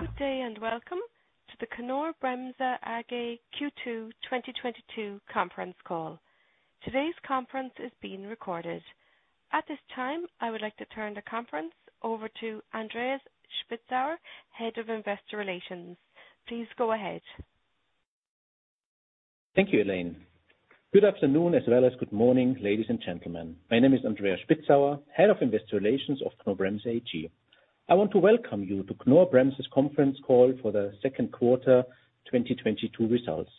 Good day and welcome to the Knorr-Bremse AG Q2 2022 Conference Call. Today's conference is being recorded. At this time, I would like to turn the conference over to Andreas Spitzauer, Head of Investor Relations. Please go ahead. Thank you, Elaine. Good afternoon, as well as good morning ladies and gentlemen. My name is Andreas Spitzauer, head of investor relations of Knorr-Bremse AG. I want to welcome you to Knorr-Bremse's Conference Call for the Second Quarter 2022 Results.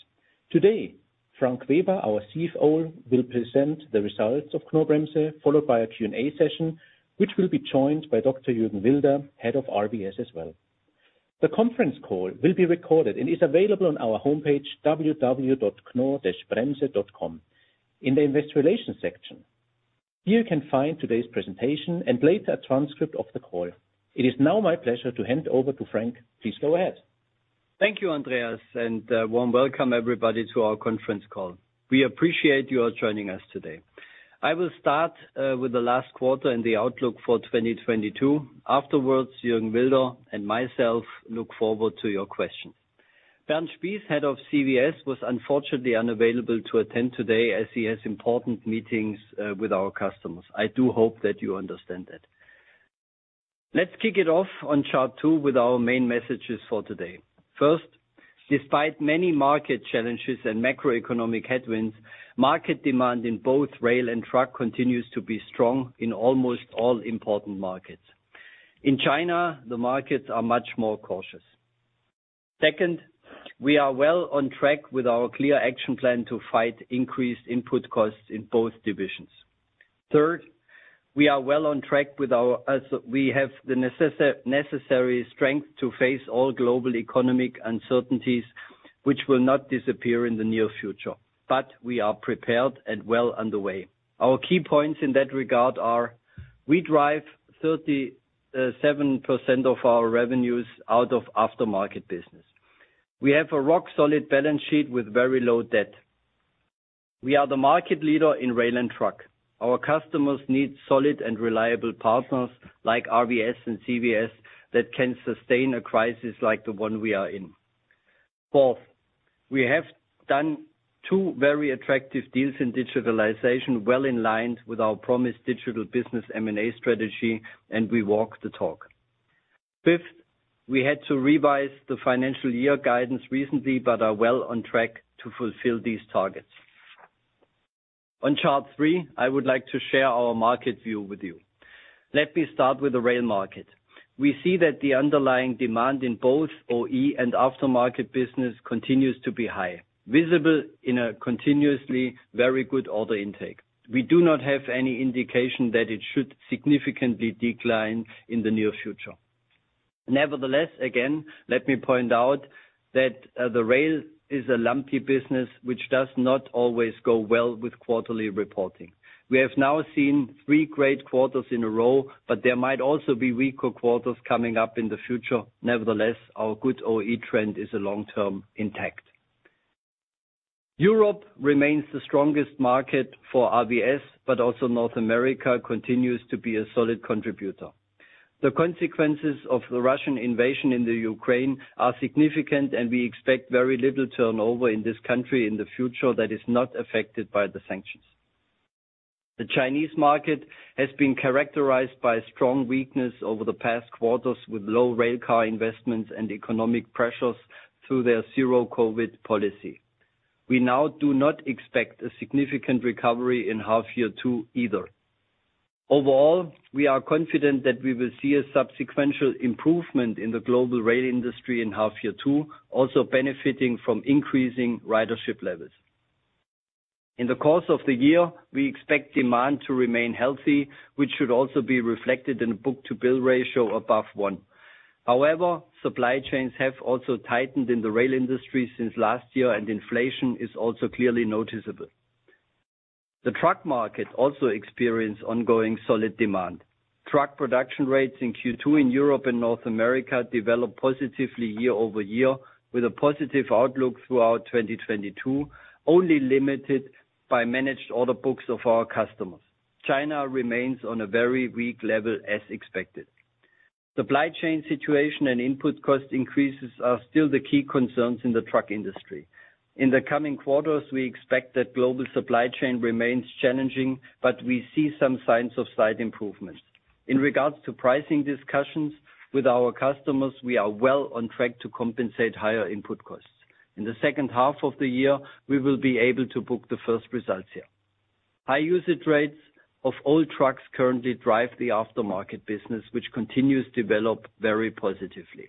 Today, Frank Weber, our CFO, will present the results of Knorr-Bremse, followed by a Q&A session, which will be joined by Dr. Jürgen Wilder, head of RVS as well. The conference call will be recorded and is available on our homepage, www.knorr-bremse.com in the investor relations section. Here you can find today's presentation and later a transcript of the call. It is now my pleasure to hand over to Frank. Please go ahead. Thank you, Andreas, and warm welcome everybody to our conference call. We appreciate you all joining us today. I will start with the last quarter and the outlook for 2022. Afterwards, Jürgen Wilder and myself look forward to your questions. Bernd Spies, head of CVS, was unfortunately unavailable to attend today as he has important meetings with our customers. I do hope that you understand that. Let's kick it off on chart two with our main messages for today. First, despite many market challenges and macroeconomic headwinds, market demand in both rail and truck continues to be strong in almost all important markets. In China, the markets are much more cautious. Second, we are well on track with our clear action plan to fight increased input costs in both divisions. Third, we are well on track. As we have the necessary strength to face all global economic uncertainties which will not disappear in the near future. We are prepared and well underway. Our key points in that regard are we derive 37% of our revenues out of Aftermarket business. We have a rock solid balance sheet with very low debt. We are the market leader in rail and truck. Our customers need solid and reliable partners like RVS and CVS that can sustain a crisis like the one we are in. Fourth, we have done two very attractive deals in digitalization, well in line with our promised digital business M&A strategy, and we walk the talk. Fifth, we had to revise the financial year guidance recently, but are well on track to fulfill these targets. On chart three, I would like to share our market view with you. Let me start with the rail market. We see that the underlying demand in both OE and Aftermarket business continues to be high, visible in a continuously very good order intake. We do not have any indication that it should significantly decline in the near future. Nevertheless, again, let me point out that the rail is a lumpy business which does not always go well with quarterly reporting. We have now seen three great quarters in a row, but there might also be weaker quarters coming up in the future. Nevertheless, our good OE trend is a long-term intact. Europe remains the strongest market for RVS, but also North America continues to be a solid contributor. The consequences of the Russian invasion in the Ukraine are significant, and we expect very little turnover in this country in the future that is not affected by the sanctions. The Chinese market has been characterized by strong weakness over the past quarters with low railcar investments and economic pressures through their zero COVID policy. We now do not expect a significant recovery in half year two either. Overall, we are confident that we will see a sequential improvement in the global rail industry in half year two, also benefiting from increasing ridership levels. In the course of the year, we expect demand to remain healthy, which should also be reflected in a book-to-bill ratio above one. However, supply chains have also tightened in the rail industry since last year, and inflation is also clearly noticeable. The truck market also experienced ongoing solid demand. Truck production rates in Q2 in Europe and North America developed positively year-over-year with a positive outlook throughout 2022, only limited by managed order books of our customers. China remains on a very weak level as expected. Supply chain situation and input cost increases are still the key concerns in the truck industry. In the coming quarters, we expect that global supply chain remains challenging, but we see some signs of slight improvements. In regards to pricing discussions with our customers, we are well on track to compensate higher input costs. In the second half of the year, we will be able to book the first results here. High usage rates of all trucks currently drive the Aftermarket business, which continues to develop very positively.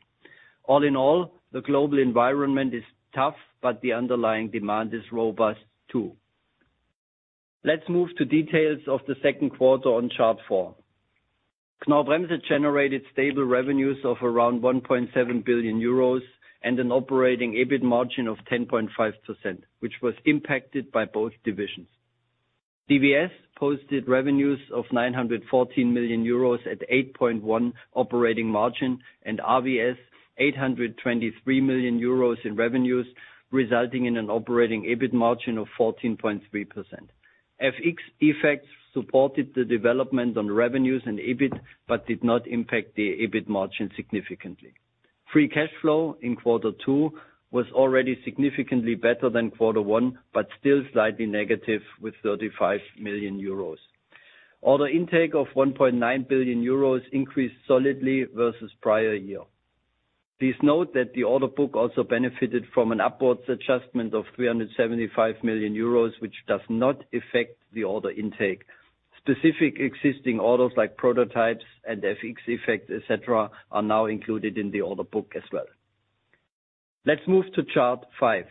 All in all, the global environment is tough, but the underlying demand is robust, too. Let's move to details of the second quarter on chart four. Knorr-Bremse generated stable revenues of around 1.7 billion euros and an operating EBIT margin of 10.5%, which was impacted by both divisions. CVS posted revenues of 914 million euros at 8.1 operating margin, and RVS 823 million euros in revenues, resulting in an operating EBIT margin of 14.3%. FX effects supported the development on revenues and EBIT, but did not impact the EBIT margin significantly. Free cash flow in quarter two was already significantly better than quarter one, but still slightly negative with 35 million euros. Order intake of 1.9 billion euros increased solidly vs prior year. Please note that the order book also benefited from an upwards adjustment of 375 million euros, which does not affect the order intake. Specific existing orders like prototypes and FX effect, et cetera, are now included in the order book as well. Let's move to chart five.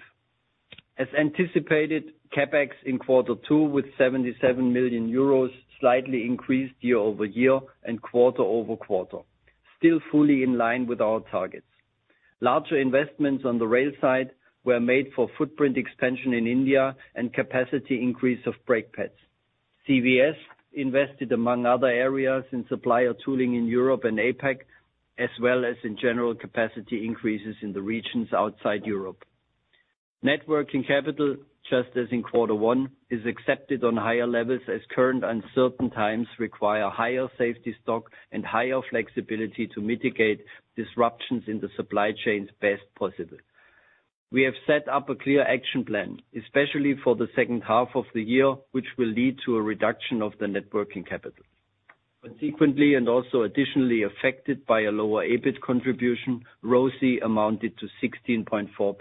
As anticipated, CapEx in quarter two with 77 million euros slightly increased year-over-year and quarter-over-quarter, still fully in line with our targets. Larger investments on the rail side were made for footprint expansion in India and capacity increase of brake pads. CVS invested among other areas in supplier tooling in Europe and APAC, as well as in general capacity increases in the regions outside Europe. Net Working Capital, just as in quarter one, is accepted on higher levels as current uncertain times require higher safety stock and higher flexibility to mitigate disruptions in the supply chains best possible. We have set up a clear action plan, especially for the second half of the year, which will lead to a reduction of the Net Working Capital. Consequently, and also additionally affected by a lower EBIT contribution, ROCE amounted to 16.4%.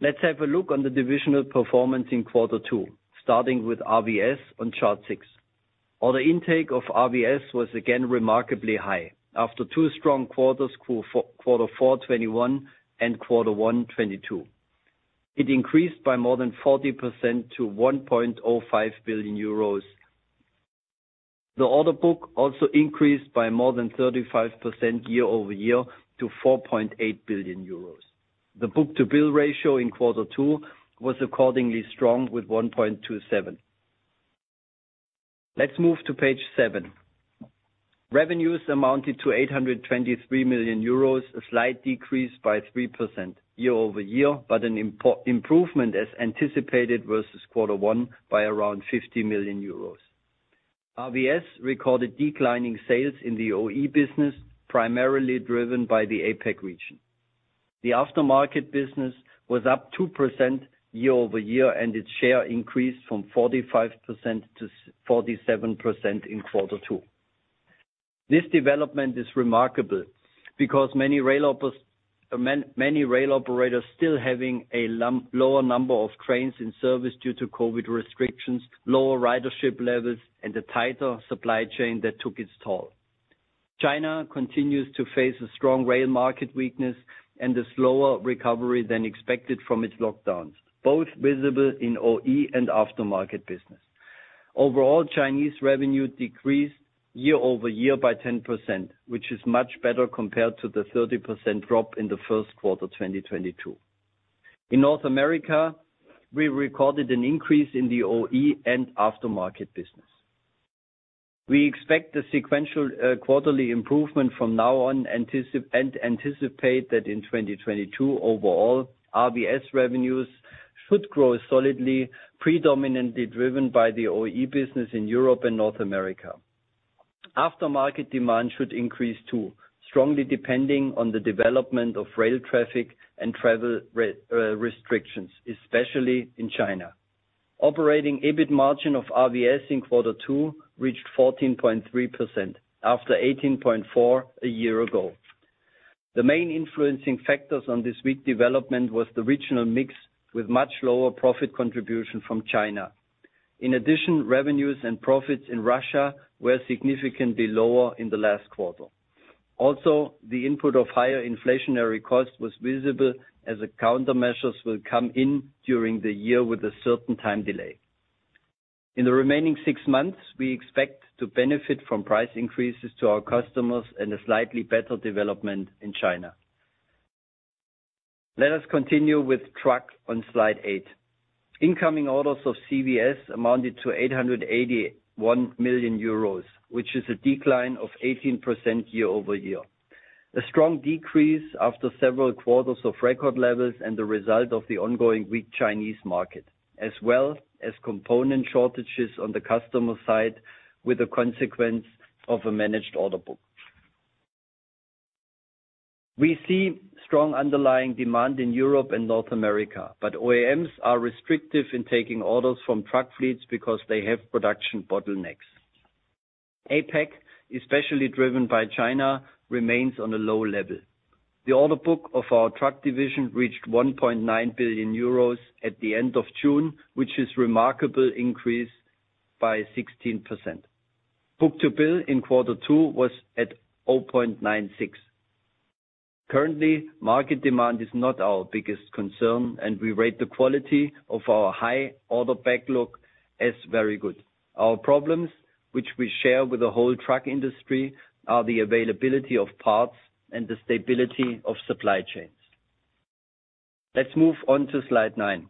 Let's have a look on the divisional performance in quarter two, starting with RVS on chart six. Order intake of RVS was again remarkably high after two strong quarters, quarter four 2021 and quarter one 2022. It increased by more than 40% to 1.05 billion euros. The order book also increased by more than 35% year-over-year to 4.8 billion euros. The book-to-bill ratio in quarter two was accordingly strong with 1.27. Let's move to page seven. Revenues amounted to 823 million euros, a slight decrease by 3% year-over-year, but an improvement as anticipated vs quarter one by around 50 million euros. RVS recorded declining sales in the OE business, primarily driven by the APAC region. The Aftermarket business was up 2% year-over-year, and its share increased from 45% to 47% in quarter two. This development is remarkable because many rail operators still having a lower number of trains in service due to COVID restrictions, lower ridership levels, and a tighter supply chain that took its toll. China continues to face a strong rail market weakness and a slower recovery than expected from its lockdowns, both visible in OE and Aftermarket business. Overall, Chinese revenue decreased year over year by 10%, which is much better compared to the 30% drop in the first quarter, 2022. In North America, we recorded an increase in the OE and Aftermarket business. We expect a sequential quarterly improvement from now on and anticipate that in 2022 overall, RVS revenues should grow solidly, predominantly driven by the OE business in Europe and North America. Aftermarket demand should increase too, strongly depending on the development of rail traffic and travel restrictions, especially in China. Operating EBIT margin of RVS in quarter two reached 14.3% after 18.4% a year ago. The main influencing factors on this weak development was the regional mix with much lower profit contribution from China. In addition, revenues and profits in Russia were significantly lower in the last quarter. The input of higher inflationary costs was visible as the countermeasures will come in during the year with a certain time delay. In the remaining six months, we expect to benefit from price increases to our customers and a slightly better development in China. Let us continue with truck on slide eight. Incoming orders of CVS amounted to 881 million euros, which is a decline of 18% year-over-year. A strong decrease after several quarters of record levels and the result of the ongoing weak Chinese market, as well as component shortages on the customer side with a consequence of a managed order book. We see strong underlying demand in Europe and North America, but OEMs are restrictive in taking orders from truck fleets because they have production bottlenecks. APAC, especially driven by China, remains on a low level. The order book of our truck division reached 1.9 billion euros at the end of June, which is a remarkable increase by 16%. Book-to-bill in quarter two was at 0.96. Currently, market demand is not our biggest concern, and we rate the quality of our high order backlog as very good. Our problems, which we share with the whole truck industry, are the availability of parts and the stability of supply chains. Let's move on to slide nine.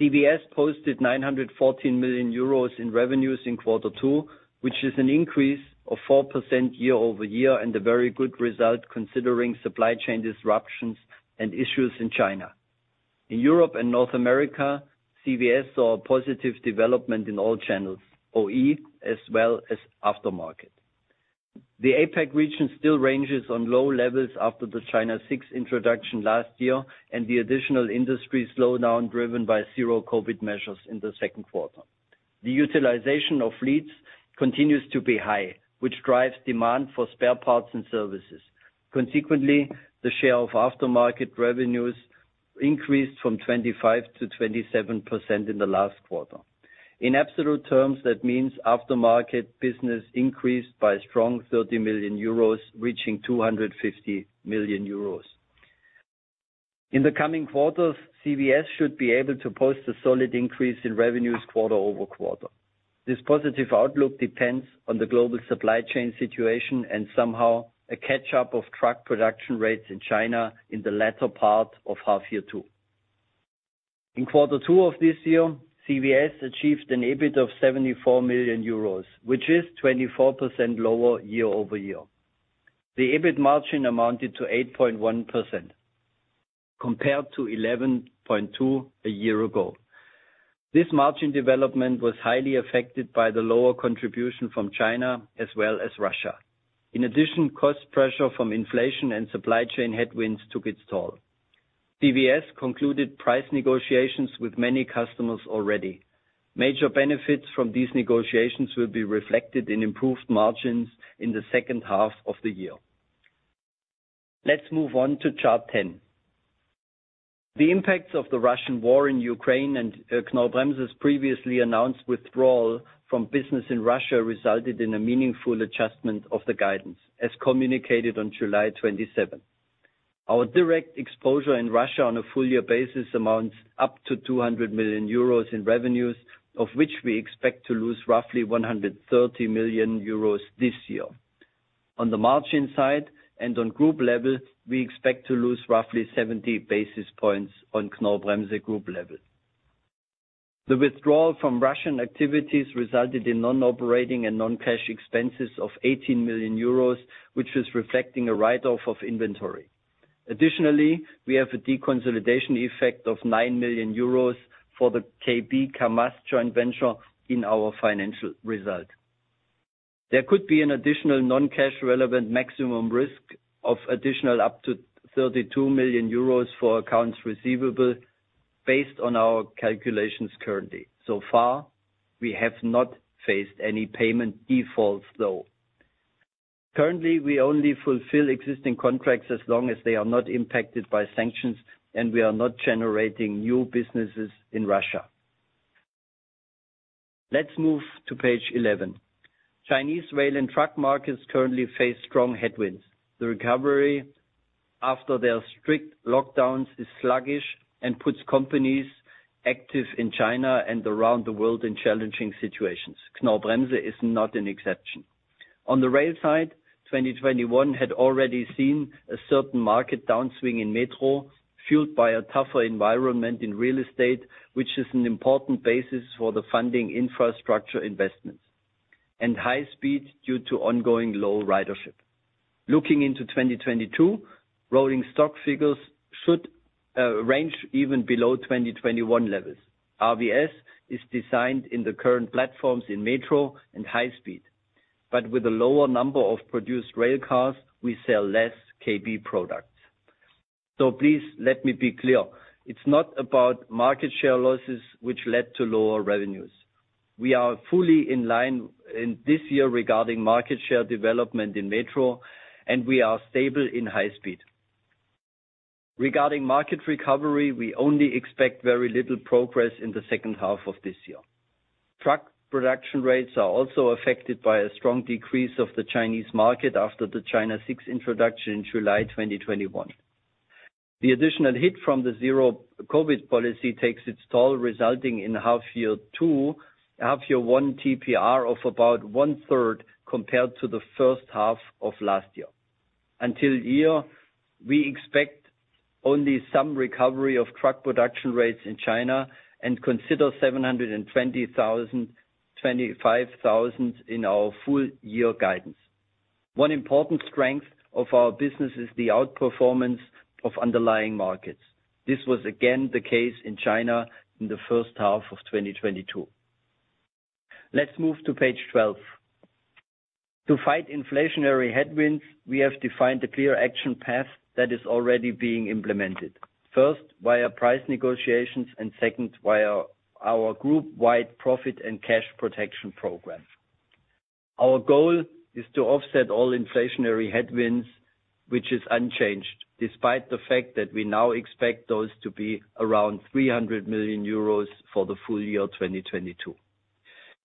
CVS posted 914 million euros in revenues in quarter two, which is an increase of 4% year-over-year and a very good result considering supply chain disruptions and issues in China. In Europe and North America, CVS saw a positive development in all channels, OE as well as Aftermarket. The APAC region still ranges on low levels after the China VI introduction last year and the additional industry slowdown driven by zero COVID measures in the second quarter. The utilization of fleets continues to be high, which drives demand for spare parts and services. Consequently, the share of Aftermarket revenues increased from 25%-27% in the last quarter. In absolute terms, that means Aftermarket business increased by a strong 30 million euros, reaching 250 million euros. In the coming quarters, CVS should be able to post a solid increase in revenues quarter-over-quarter. This positive outlook depends on the global supply chain situation and somehow a catch-up of truck production rates in China in the latter part of half year two. In quarter two of this year, CVS achieved an EBIT of 74 million euros, which is 24% lower year-over-year. The EBIT margin amounted to 8.1% compared to 11.2% a year ago. This margin development was highly affected by the lower contribution from China as well as Russia. In addition, cost pressure from inflation and supply chain headwinds took its toll. CVS concluded price negotiations with many customers already. Major benefits from these negotiations will be reflected in improved margins in the second half of the year. Let's move on to chart 10. The impacts of the Russian war in Ukraine and Knorr-Bremse's previously announced withdrawal from business in Russia resulted in a meaningful adjustment of the guidance as communicated on July 27th. Our direct exposure in Russia on a full year basis amounts up to 200 million euros in revenues, of which we expect to lose roughly 130 million euros this year. On the margin side and on group level, we expect to lose roughly 70 basis points on Knorr-Bremse group level. The withdrawal from Russian activities resulted in non-operating and non-cash expenses of 18 million euros, which is reflecting a write-off of inventory. Additionally, we have a deconsolidation effect of 9 million euros for the KB Kamaz joint venture in our financial result. There could be an additional non-cash relevant maximum risk of additional up to 32 million euros for accounts receivable based on our calculations currently. So far, we have not faced any payment defaults, though. Currently, we only fulfill existing contracts as long as they are not impacted by sanctions, and we are not generating new businesses in Russia. Let's move to page 11. Chinese rail and truck markets currently face strong headwinds. The recovery after their strict lockdowns is sluggish and puts companies active in China and around the world in challenging situations. Knorr-Bremse is not an exception. On the rail side, 2021 had already seen a certain market downswing in metro, fueled by a tougher environment in real estate, which is an important basis for the funding infrastructure investments and high speed due to ongoing low ridership. Looking into 2022, rolling stock figures should range even below 2021 levels. RVS is designed in the current platforms in metro and high speed, but with a lower number of produced rail cars, we sell less KB products. Please let me be clear. It's not about market share losses which led to lower revenues. We are fully in line in this year regarding market share development in metro, and we are stable in high speed. Regarding market recovery, we only expect very little progress in the second half of this year. Truck production rates are also affected by a strong decrease of the Chinese market after the China VI introduction in July 2021. The additional hit from the zero COVID policy takes its toll, resulting in half year one TPR of about 1/3 compared to the first half of last year. Until year, we expect only some recovery of truck production rates in China and consider 725,000 in our full year guidance. One important strength of our business is the outperformance of underlying markets. This was again the case in China in the first half of 2022. Let's move to page 12. To fight inflationary headwinds, we have defined a clear action path that is already being implemented. First, via price negotiations, and second, via our group-wide Profit and Cash Protection Program. Our goal is to offset all inflationary headwinds, which is unchanged, despite the fact that we now expect those to be around 300 million euros for the full year 2022.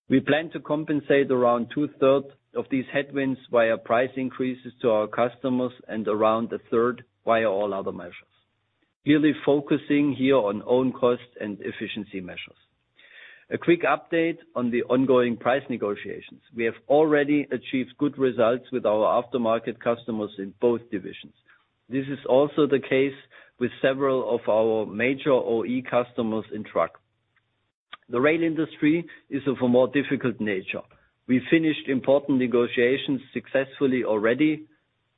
We plan to compensate around two-thirds of these headwinds via price increases to our customers and around 1/3 via all other measures. Clearly focusing here on own cost and efficiency measures. A quick update on the ongoing price negotiations. We have already achieved good results with our Aftermarket customers in both divisions. This is also the case with several of our major OE customers in truck. The rail industry is of a more difficult nature. We finished important negotiations successfully already.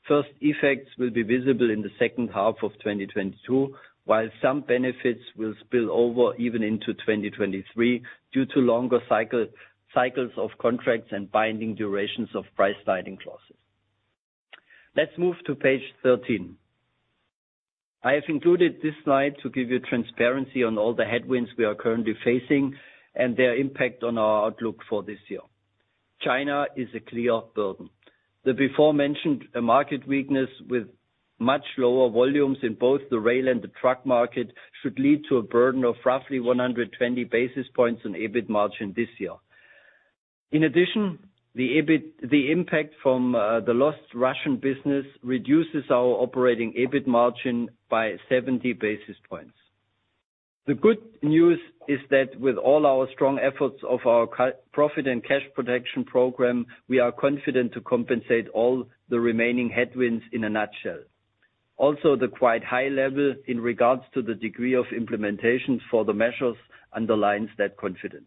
First effects will be visible in the second half of 2022, while some benefits will spill over even into 2023 due to longer cycles of contracts and binding durations of price sliding clauses. Let's move to page 13. I have included this slide to give you transparency on all the headwinds we are currently facing and their impact on our outlook for this year. China is a clear burden. The beforementioned market weakness with much lower volumes in both the rail and the truck market should lead to a burden of roughly 120 basis points on EBIT margin this year. In addition, the impact from the lost Russian business reduces our operating EBIT margin by 70 basis points. The good news is that with all our strong efforts of our Profit and Cash Protection Program, we are confident to compensate all the remaining headwinds in a nutshell. Also, the quite high level in regards to the degree of implementations for the measures underlines that confidence.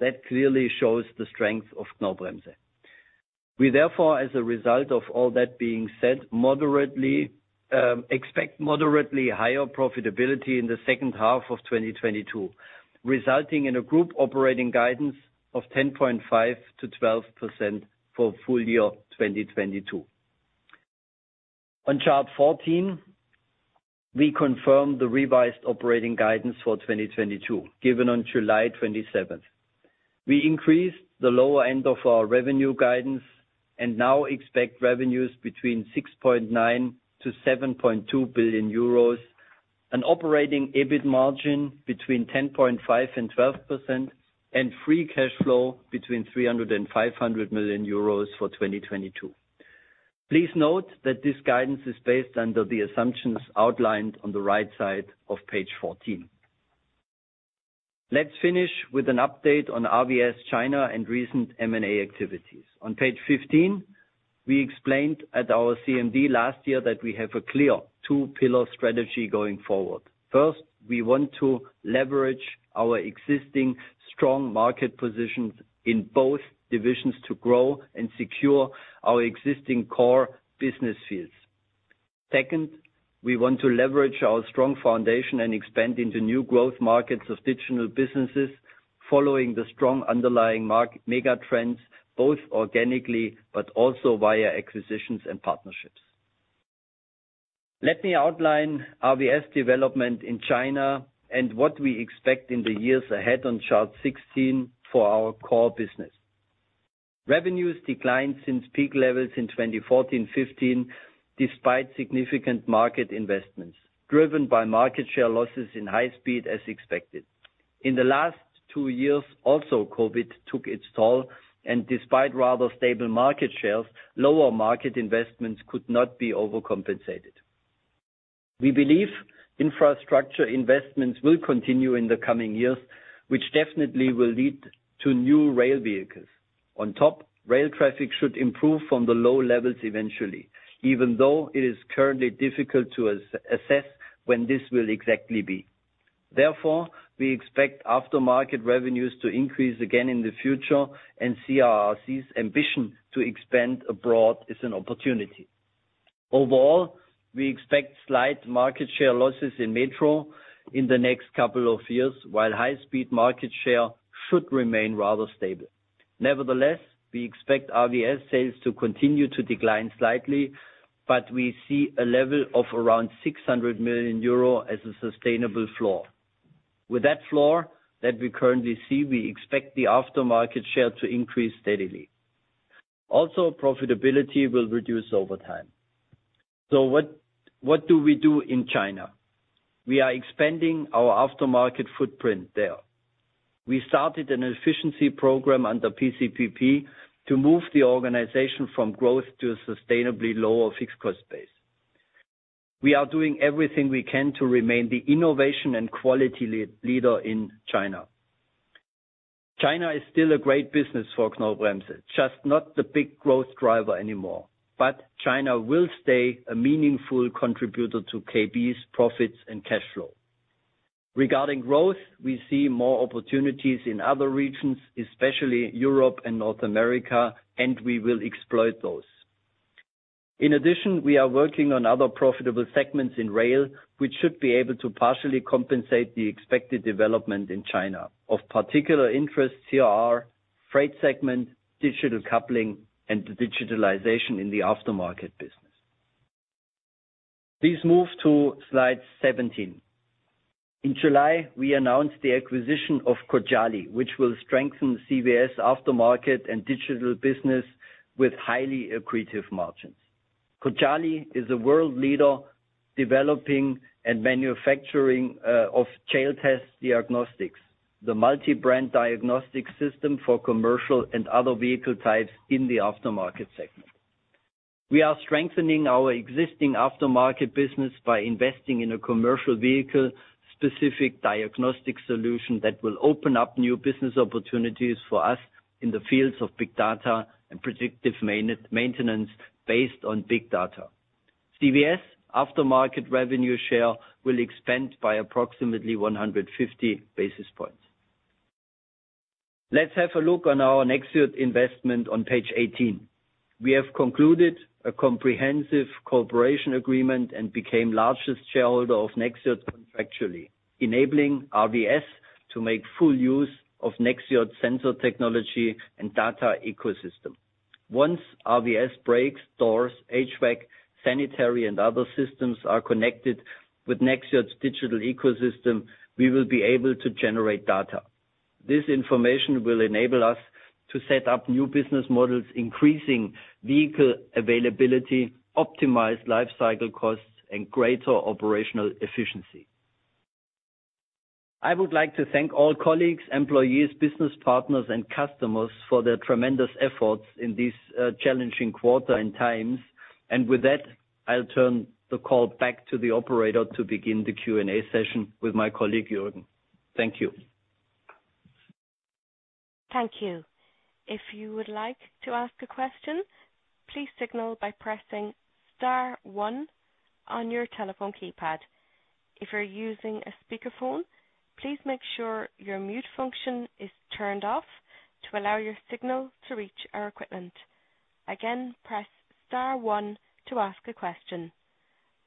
That clearly shows the strength of Knorr-Bremse. We therefore, as a result of all that being said, moderately expect moderately higher profitability in the second half of 2022, resulting in a group operating guidance of 10.5%-12% for full year 2022. On chart 14, we confirm the revised operating guidance for 2022 given on July 27th. We increased the lower end of our revenue guidance and now expect revenues between 6.9 billion-7.2 billion euros, an operating EBIT margin between 10.5% and 12%, and free cash flow between 300 million euros and 500 million euros for 2022. Please note that this guidance is based on the assumptions outlined on the right side of page 14. Let's finish with an update on RVS China and recent M&A activities. On page 15, we explained at our CMD last year that we have a clear two-pillar strategy going forward. First, we want to leverage our existing strong market positions in both divisions to grow and secure our existing core business fields. Second, we want to leverage our strong foundation and expand into new growth markets of digital businesses following the strong underlying mega trends, both organically but also via acquisitions and partnerships. Let me outline RVS development in China and what we expect in the years ahead on chart 16 for our core business. Revenues declined since peak levels in 2014, 2015, despite significant market investments, driven by market share losses in high speed as expected. In the last two years, also, COVID took its toll, and despite rather stable market shares, lower market investments could not be overcompensated. We believe infrastructure investments will continue in the coming years, which definitely will lead to new rail vehicles. On top, rail traffic should improve from the low levels eventually, even though it is currently difficult to assess when this will exactly be. Therefore, we expect Aftermarket revenues to increase again in the future and CRRC's ambition to expand abroad is an opportunity. Overall, we expect slight market share losses in metro in the next couple of years, while high-speed market share should remain rather stable. Nevertheless, we expect RVS sales to continue to decline slightly, but we see a level of around 600 million euro as a sustainable floor. With that floor that we currently see, we expect the Aftermarket share to increase steadily. Also, profitability will reduce over time. What do we do in China? We are expanding our Aftermarket footprint there. We started an efficiency program under PCPP to move the organization from growth to a sustainably lower fixed cost base. We are doing everything we can to remain the innovation and quality leader in China. China is still a great business for Knorr-Bremse, just not the big growth driver anymore. China will stay a meaningful contributor to KB's profits and cash flow. Regarding growth, we see more opportunities in other regions, especially Europe and North America, and we will exploit those. In addition, we are working on other profitable segments in rail, which should be able to partially compensate the expected development in China. Of particular interest here are freight segment, digital coupling, and the digitalization in the Aftermarket business. Please move to slide 17. In July, we announced the acquisition of Cojali, which will strengthen CVS aftermarket and digital business with highly accretive margins. Cojali is a world leader developing and manufacturing of Jaltest Diagnostics, the multi-brand diagnostic system for commercial and other vehicle types in the Aftermarket segment. We are strengthening our existing Aftermarket business by investing in a commercial vehicle specific diagnostic solution that will open up new business opportunities for us in the fields of big data and predictive maintenance based on big data. CVS aftermarket revenue share will expand by approximately 150 basis points. Let's have a look on our Nexxiot investment on page 18. We have concluded a comprehensive cooperation agreement and became largest shareholder of Nexxiot contractually, enabling RVS to make full use of Nexxiot sensor technology and data ecosystem. Once RVS brakes, doors, HVAC, sanitary and other systems are connected with Nexxiot's digital ecosystem, we will be able to generate data. This information will enable us to set up new business models, increasing vehicle availability, optimized life cycle costs, and greater operational efficiency. I would like to thank all colleagues, employees, business partners and customers for their tremendous efforts in this challenging quarter and times. With that, I'll turn the call back to the operator to begin the Q&A session with my colleague, Jürgen. Thank you. Thank you. If you would like to ask a question, please signal by pressing star one on your telephone keypad. If you're using a speakerphone, please make sure your mute function is turned off to allow your signal to reach our equipment. Again, press star one to ask a question.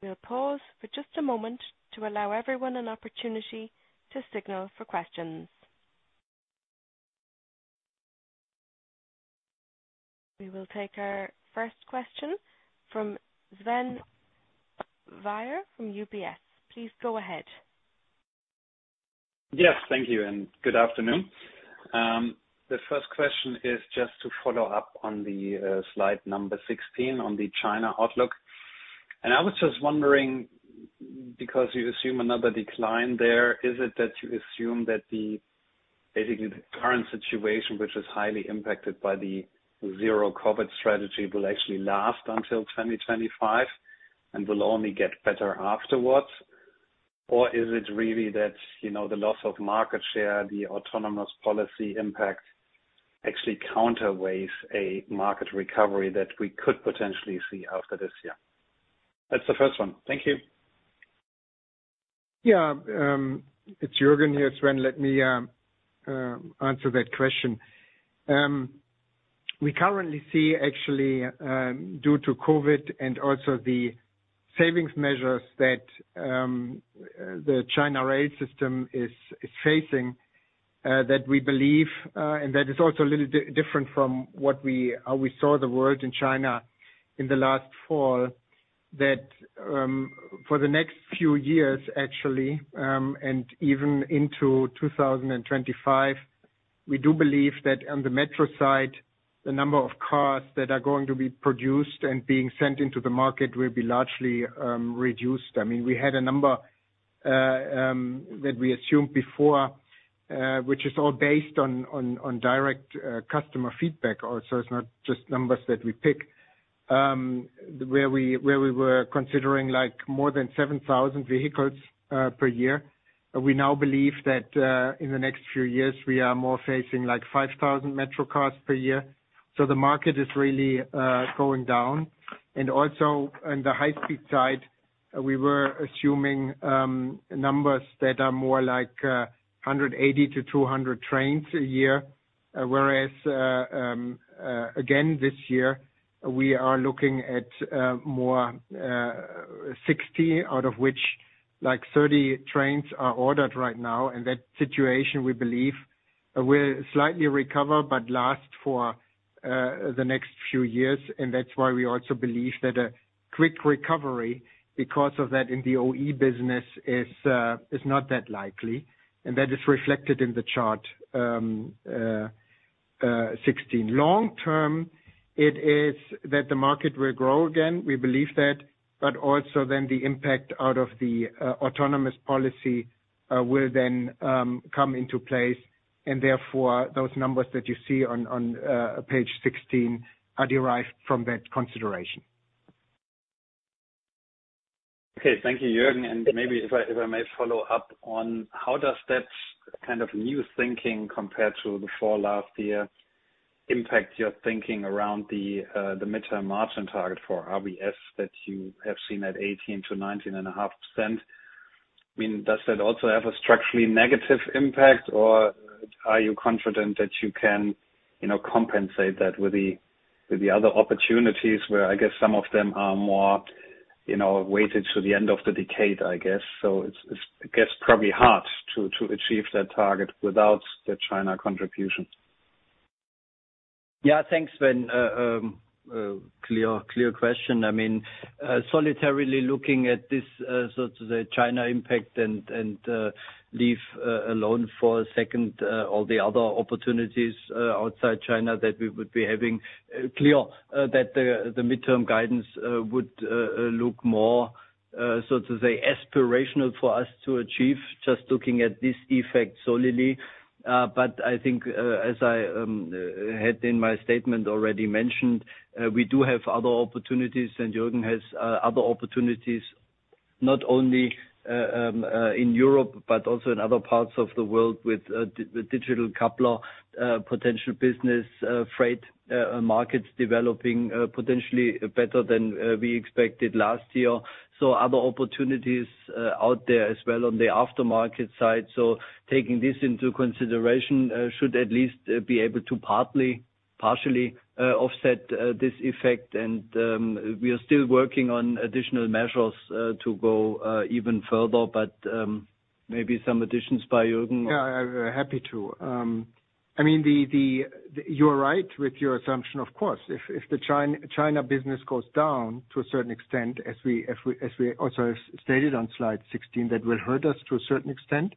We'll pause for just a moment to allow everyone an opportunity to signal for questions. We will take our first question from Sven Weier from UBS. Please go ahead. Yes, thank you and good afternoon. The first question is just to follow up on the slide number 16 on the China outlook. I was just wondering, because you assume another decline there, is it that you assume that the basically the current situation, which is highly impacted by the zero COVID strategy, will actually last until 2025 and will only get better afterwards? Or is it really that, you know, the loss of market share, the autonomous policy impact actually counterweighs a market recovery that we could potentially see after this year? That's the first one. Thank you. Yeah, it's Jürgen here, Sven. Let me answer that question. We currently see actually, due to COVID and also the savings measures that the China rail system is facing, that we believe, and that is also a little different from what we, how we saw the world in China in the last fall, that for the next few years, actually, and even into 2025, we do believe that on the metro side, the number of cars that are going to be produced and being sent into the market will be largely reduced. I mean, we had a number that we assumed before, which is all based on direct customer feedback also. It's not just numbers that we pick, where we were considering like more than 7,000 vehicles per year. We now believe that in the next few years, we are more facing like 5,000 metro cars per year. The market is really going down. Also on the high speed side, we were assuming numbers that are more like 180-200 trains a year. Whereas again, this year we are looking at more 60 out of which like 30 trains are ordered right now. That situation, we believe will slightly recover but last for the next few years. That's why we also believe that a quick recovery because of that in the OE business is not that likely. That is reflected in the chart 16. Long term, it is that the market will grow again. We believe that, but also then the impact out of the autonomous policy will then come into place. Therefore, those numbers that you see on page 16 are derived from that consideration. Okay, thank you, Jürgen. Maybe if I may follow up on how does that kind of new thinking compared to the fall last year impact your thinking around the midterm margin target for RVS that you have seen at 18%-19.5%? I mean, does that also have a structurally negative impact, or are you confident that you can, you know, compensate that with the other opportunities where I guess some of them are more, you know, weighted to the end of the decade, I guess. It's, I guess, probably hard to achieve that target without the China contribution. Yeah, thanks, Sven. Clear question. I mean, solely looking at this, so to say China impact and leave alone for a second all the other opportunities outside China that we would be having, clear that the midterm guidance would look more so to say aspirational for us to achieve, just looking at this effect solely. I think, as I had in my statement already mentioned, we do have other opportunities, and Jürgen has other opportunities. Not only in Europe, but also in other parts of the world with digital coupler potential business freight markets developing potentially better than we expected last year. Other opportunities out there as well on the Aftermarket side. Taking this into consideration, should at least be able to partially offset this effect. We are still working on additional measures to go even further, but maybe some additions by Jürgen. Yeah, I'm happy to. I mean, You are right with your assumption, of course. If the China business goes down to a certain extent, as we also stated on slide 16, that will hurt us to a certain extent.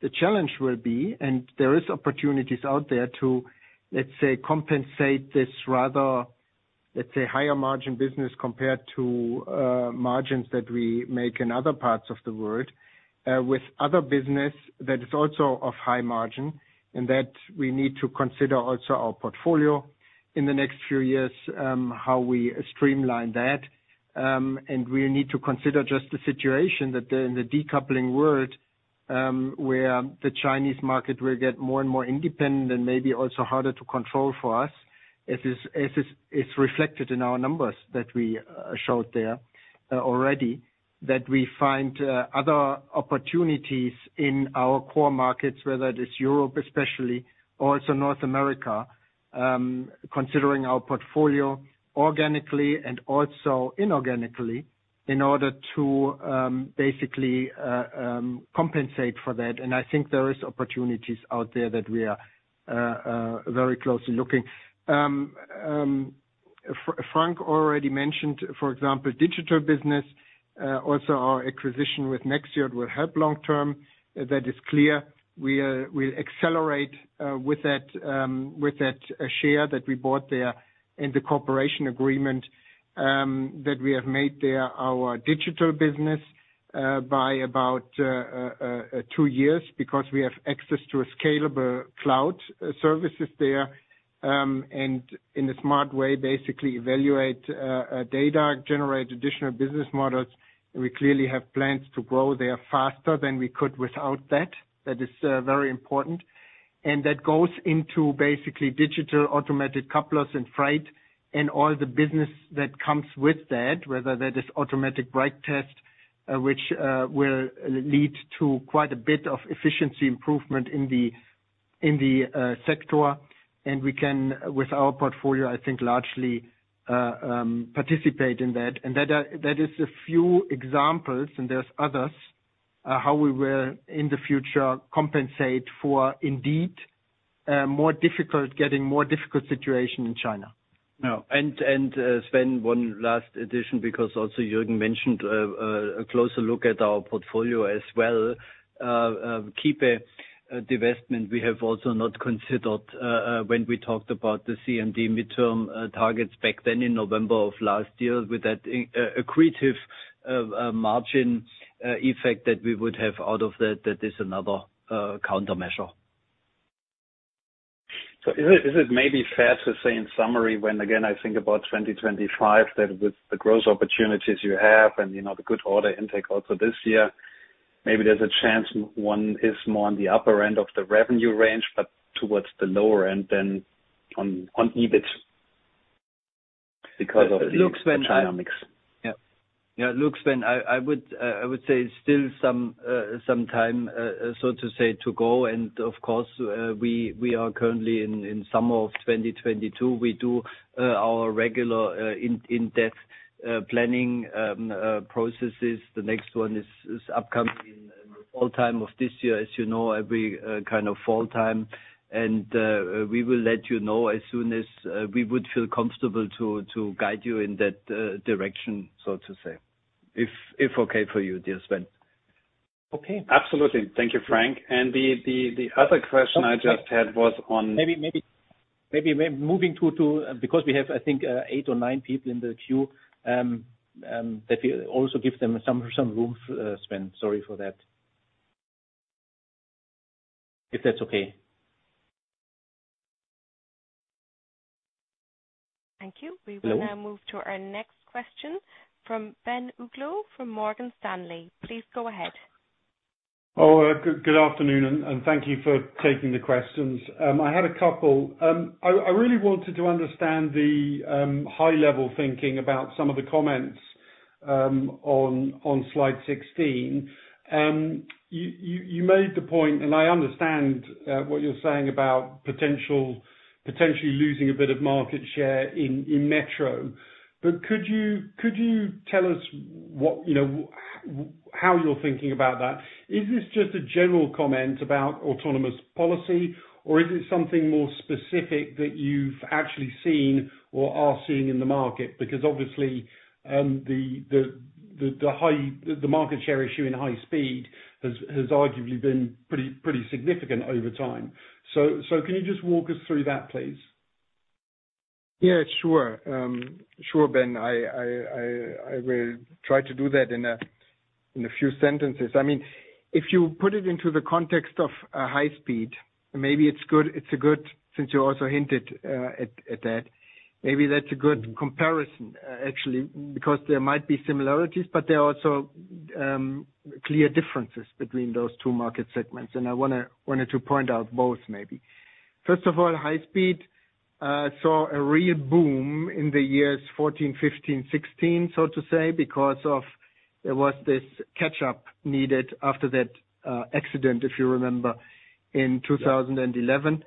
The challenge will be, and there is opportunities out there to, let's say, compensate this rather, let's say, higher margin business compared to margins that we make in other parts of the world with other business that is also of high margin, and that we need to consider also our portfolio in the next few years, how we streamline that. We need to consider just the situation that in the decoupling world where the Chinese market will get more and more independent and maybe also harder to control for us, as is reflected in our numbers that we showed there already that we find other opportunities in our core markets, whether it is Europe especially, also North America, considering our portfolio organically and also inorganically in order to basically compensate for that. I think there is opportunities out there that we are very closely looking. Frank already mentioned, for example, digital business. Also our acquisition with Nexxiot will help long term. That is clear. We'll accelerate with that share that we bought there and the cooperation agreement that we have made there our digital business by about two years because we have access to a scalable cloud services there and in a smart way basically evaluate data generate additional business models. We clearly have plans to grow there faster than we could without that. That is very important. That goes into basically Digital Automatic Couplers and freight and all the business that comes with that, whether that is automatic brake test which will lead to quite a bit of efficiency improvement in the sector. We can with our portfolio I think largely participate in that. That is a few examples, and there's others how we will in the future compensate for indeed getting more difficult situation in China. No, Sven, one last addition, because also Jürgen mentioned a closer look at our portfolio as well. Kiepe divestment, we have also not considered when we talked about the CMD midterm targets back then in November of last year with that accretive margin effect that we would have out of that is another countermeasure. Is it maybe fair to say in summary when, again, I think about 2025, that with the growth opportunities you have and, you know, the good order intake also this year, maybe there's a chance one is more on the upper end of the revenue range, but towards the lower end than on EBIT because of the- Look, Sven, I- China mix. Yeah. Yeah, look, Sven, I would say it's still some time, so to say, to go. Of course, we are currently in summer of 2022. We do our regular in-depth planning processes. The next one is upcoming in fall time of this year, as you know, every kind of fall time. We will let you know as soon as we would feel comfortable to guide you in that direction, so to say, if okay for you, dear Sven. Okay. Absolutely. Thank you, Frank. The other question I just had was on- Because we have, I think, eight or nine people in the queue that will also give them some room, Sven. Sorry for that. If that's okay. Thank you. Hello. We will now move to our next question from Ben Uglow from Morgan Stanley. Please go ahead. Good afternoon and thank you for taking the questions. I had a couple. I really wanted to understand the high level thinking about some of the comments on slide 16. You made the point, and I understand what you're saying about potentially losing a bit of market share in metro. Could you tell us what, you know, how you're thinking about that? Is this just a general comment about autonomous policy, or is it something more specific that you've actually seen or are seeing in the market? Because obviously, the high-speed market share issue in high speed has arguably been pretty significant over time. Can you just walk us through that, please? Yeah, sure. Sure, Ben. I will try to do that in a In a few sentences. I mean, if you put it into the context of high-speed, maybe it's good, it's good since you also hinted at that, maybe that's a good comparison actually, because there might be similarities. But there are also clear differences between those two market segments, and I wanted to point out both maybe. First of all, high-speed saw a real boom in the years 14, 15, 16, so to say, because there was this catch-up needed after that accident, if you remember, in 2011.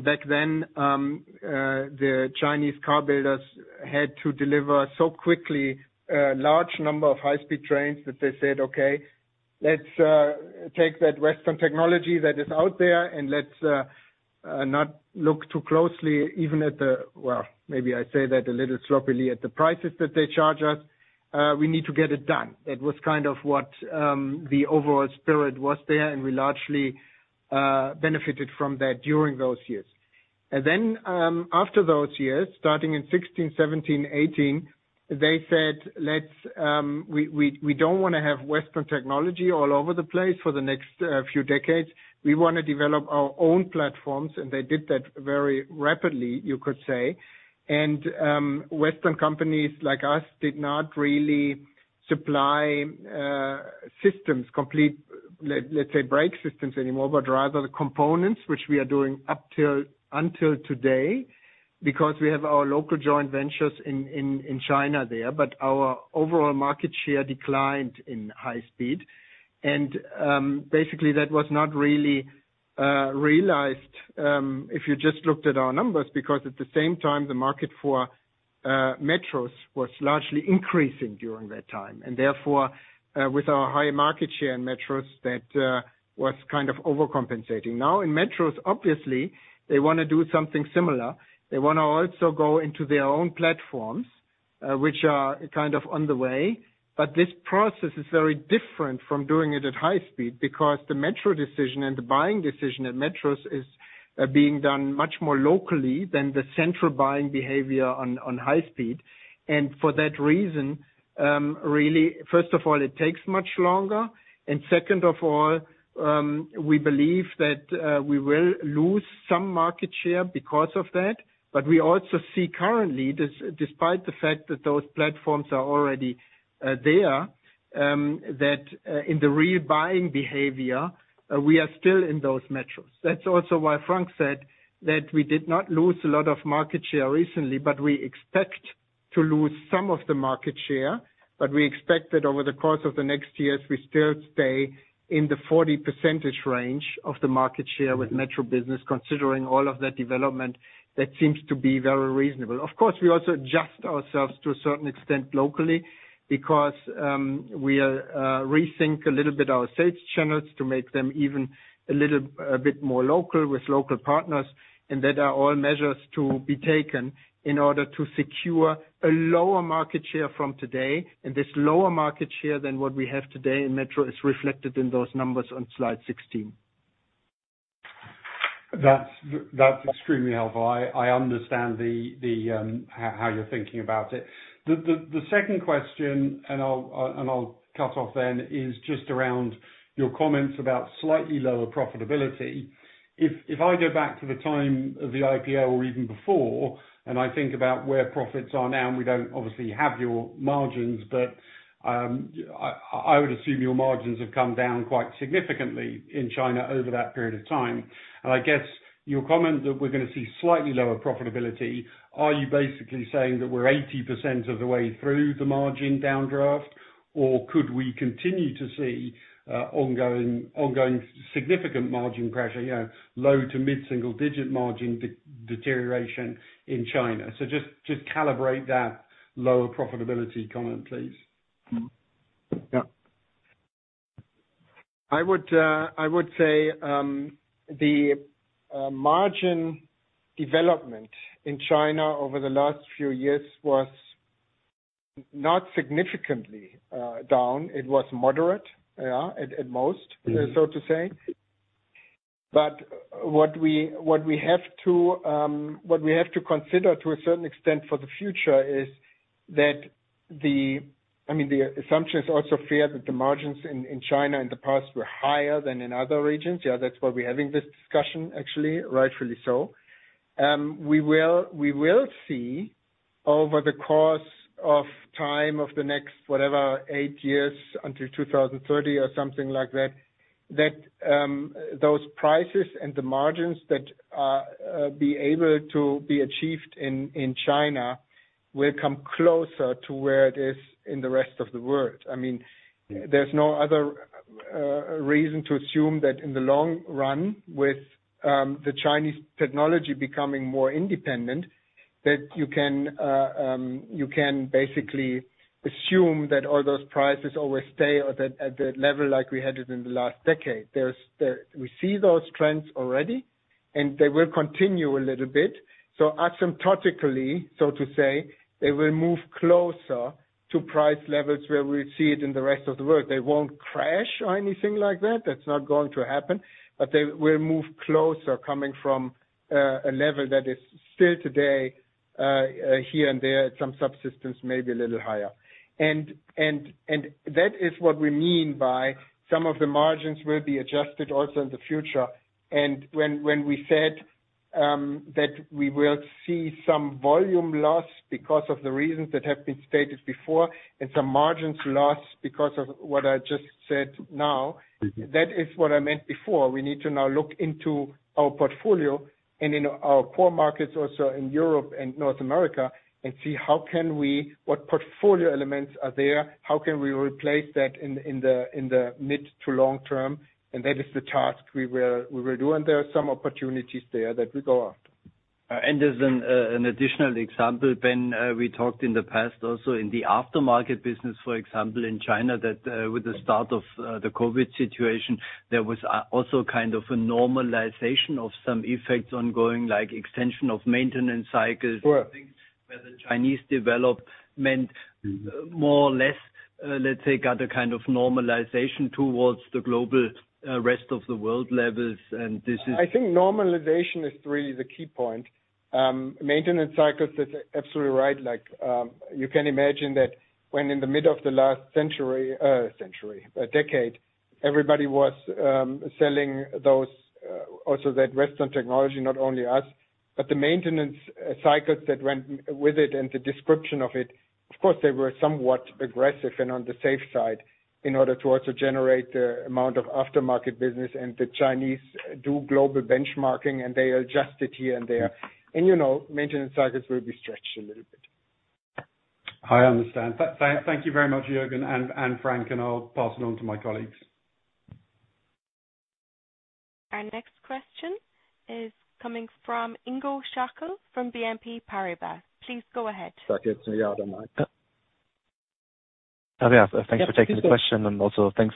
Back then, the Chinese car builders had to deliver so quickly a large number of high-speed trains that they said, "Okay. Let's take that Western technology that is out there and let's not look too closely, even at the prices that they charge us. Well, maybe I say that a little sloppily. We need to get it done. That was kind of what the overall spirit was there, and we largely benefited from that during those years. Then, after those years, starting in 2016, 2017, 2018, they said, "We don't wanna have Western technology all over the place for the next few decades. We wanna develop our own platforms." They did that very rapidly, you could say. Western companies like us did not really supply systems, complete, let's say, brake systems anymore, but rather the components which we are doing until today, because we have our local joint ventures in China there. Our overall market share declined in high speed. Basically, that was not really realized if you just looked at our numbers, because at the same time, the market for metros was largely increasing during that time. Therefore, with our high market share in metros that was kind of overcompensating. Now, in metros, obviously, they wanna do something similar. They wanna also go into their own platforms, which are kind of on the way, but this process is very different from doing it at high speed because the metro decision and the buying decision at metros is being done much more locally than the central buying behavior on high speed. For that reason, really, first of all, it takes much longer. Second of all, we believe that we will lose some market share because of that. But we also see currently despite the fact that those platforms are already there that in the real buying behavior we are still in those metros. That's also why Frank said that we did not lose a lot of market share recently, but we expect to lose some of the market share. We expect that over the course of the next years, we still stay in the 40% range of the market share with metro business. Considering all of that development, that seems to be very reasonable. Of course, we also adjust ourselves to a certain extent locally because we rethink a little bit our sales channels to make them even a little, a bit more local with local partners, and that are all measures to be taken in order to secure a lower market share from today, and this lower market share than what we have today in metro is reflected in those numbers on slide 16. That's extremely helpful. I understand how you're thinking about it. The second question, and I'll cut off then, is just around your comments about slightly lower profitability. If I go back to the time of the IPO or even before, and I think about where profits are now, and we don't obviously have your margins, but I would assume your margins have come down quite significantly in China over that period of time. I guess your comment that we're gonna see slightly lower profitability. Are you basically saying that we're 80% of the way through the margin downdraft, or could we continue to see ongoing significant margin pressure, you know, low- to mid-single-digit margin deterioration in China? Just calibrate that lower profitability comment, please. Yeah. I would say the margin development in China over the last few years was not significantly down. It was moderate, yeah, at most. Mm-hmm. so to say. What we have to consider to a certain extent for the future is that I mean, the assumption is also fair that the margins in China in the past were higher than in other regions. Yeah, that's why we're having this discussion actually, rightfully so. We will see over the course of time of the next, whatever, eight years until 2030 or something like that those prices and the margins that be able to be achieved in China will come closer to where it is in the rest of the world. I mean Yeah. There's no other reason to assume that in the long run with the Chinese technology becoming more independent, that you can basically assume that all those prices always stay at that level like we had it in the last decade. We see those trends already, and they will continue a little bit. Asymptotically, so to say, they will move closer to price levels where we see it in the rest of the world. They won't crash or anything like that. That's not going to happen. They will move closer coming from a level that is still today here and there, some subsystems may be a little higher. That is what we mean by some of the margins will be adjusted also in the future. When we said that we will see some volume loss because of the reasons that have been stated before, and some margins loss because of what I just said now, that is what I meant before. We need to now look into our portfolio and in our core markets also in Europe and North America and see what portfolio elements are there, how can we replace that in the mid to long term? That is the task we will do, and there are some opportunities there that we go after. As an additional example, Ben, we talked in the past also in the Aftermarket business, for example, in China, that with the start of the COVID situation, there was also kind of a normalization of some effects ongoing, like extension of maintenance cycles. Sure. where the Chinese development more or less, let's say, got a kind of normalization towards the global, rest of the world levels. This is- I think normalization is really the key point. Maintenance cycles is absolutely right. Like, you can imagine that when in the middle of the last decade, everybody was selling those also that western technology, not only us, but the maintenance cycles that went with it and the description of it, of course, they were somewhat aggressive and on the safe side in order to also generate the amount of Aftermarket business. The Chinese do global benchmarking, and they adjust it here and there. You know, maintenance cycles will be stretched a little bit. I understand. Thank you very much, Jürgen and Frank, and I'll pass it on to my colleagues. Our next question is coming from Ingo Schachel from BNP Paribas. Please go ahead. Okay. Yeah, I don't mind. Oh, yeah. Thanks for taking the question, and also thanks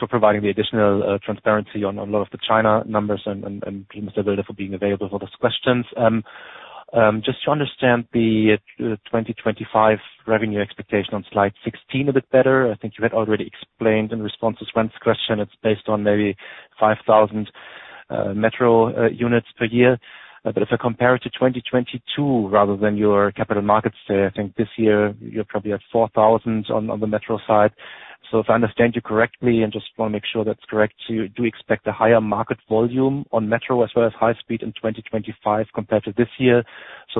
for providing the additional transparency on a lot of the China numbers and being available for those questions. Just to understand the 2025 revenue expectation on slide 16 a bit better. I think you had already explained in response to Sven's question, it's based on maybe 5,000 metro units per year. If I compare it to 2022 rather than your Capital Markets Day, I think this year you're probably at 4,000 on the metro side. If I understand you correctly, and just wanna make sure that's correct, do you expect a higher market volume on metro as well as high speed in 2025 compared to this year?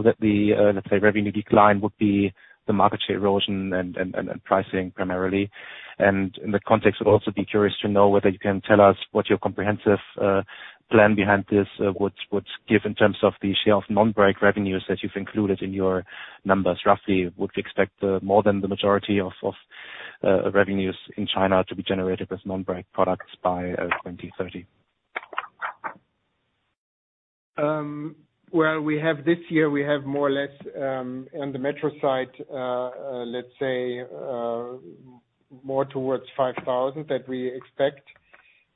That the, let's say, revenue decline would be the market share erosion and pricing primarily. In the context, I'd also be curious to know whether you can tell us what your comprehensive plan behind this would give in terms of the share of non-brake revenues that you've included in your numbers. Roughly would expect more than the majority of revenues in China to be generated with non-brake products by 2030. Well, we have this year, we have more or less, on the metro side, let's say, more towards 5,000 that we expect,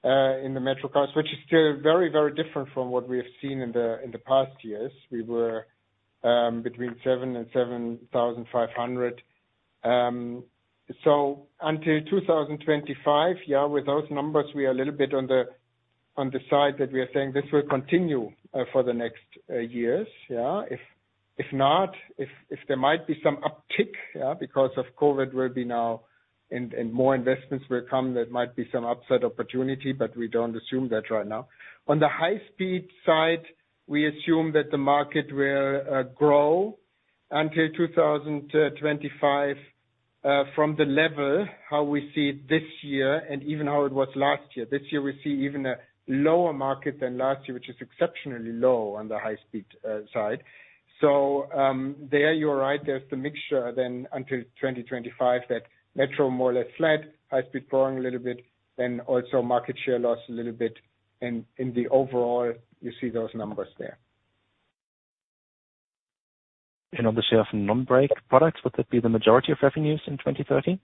in the metro cars, which is still very, very different from what we have seen in the past years. We were between 700 and 7,500. So until 2025, with those numbers, we are a little bit on the side that we are saying this will continue, for the next years. If not, there might be some uptick, because of COVID will be now and more investments will come, there might be some upside opportunity, but we don't assume that right now. On the high-speed side, we assume that the market will grow until 2025 from the level, how we see it this year and even how it was last year. This year we see even a lower market than last year, which is exceptionally low on the high-speed side. There you are right. There's the mixture then until 2025, that metro more or less flat, high speed growing a little bit, and also market share loss a little bit. In the overall, you see those numbers there. On the share of non-brake products, would that be the majority of revenues in 2030?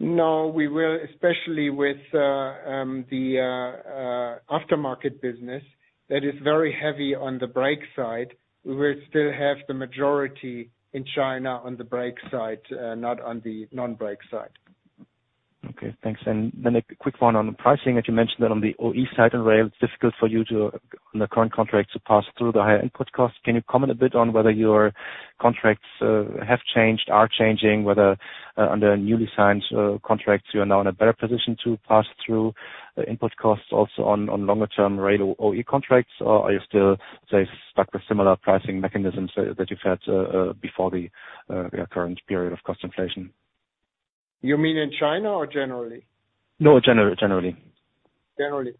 No, we will especially with the Aftermarket business that is very heavy on the brake side. We will still have the majority in China on the brake side, not on the non-brake side. Okay, thanks. A quick one on the pricing, as you mentioned that on the OE side and rail, it's difficult for you to, on the current contract, to pass through the higher input costs. Can you comment a bit on whether your contracts have changed, are changing, whether under newly signed contracts you are now in a better position to pass through the input costs also on longer term rail OE contracts, or are you still, say, stuck with similar pricing mechanisms that you've had before the current period of cost inflation? You mean in China or generally? No, generally. Generally.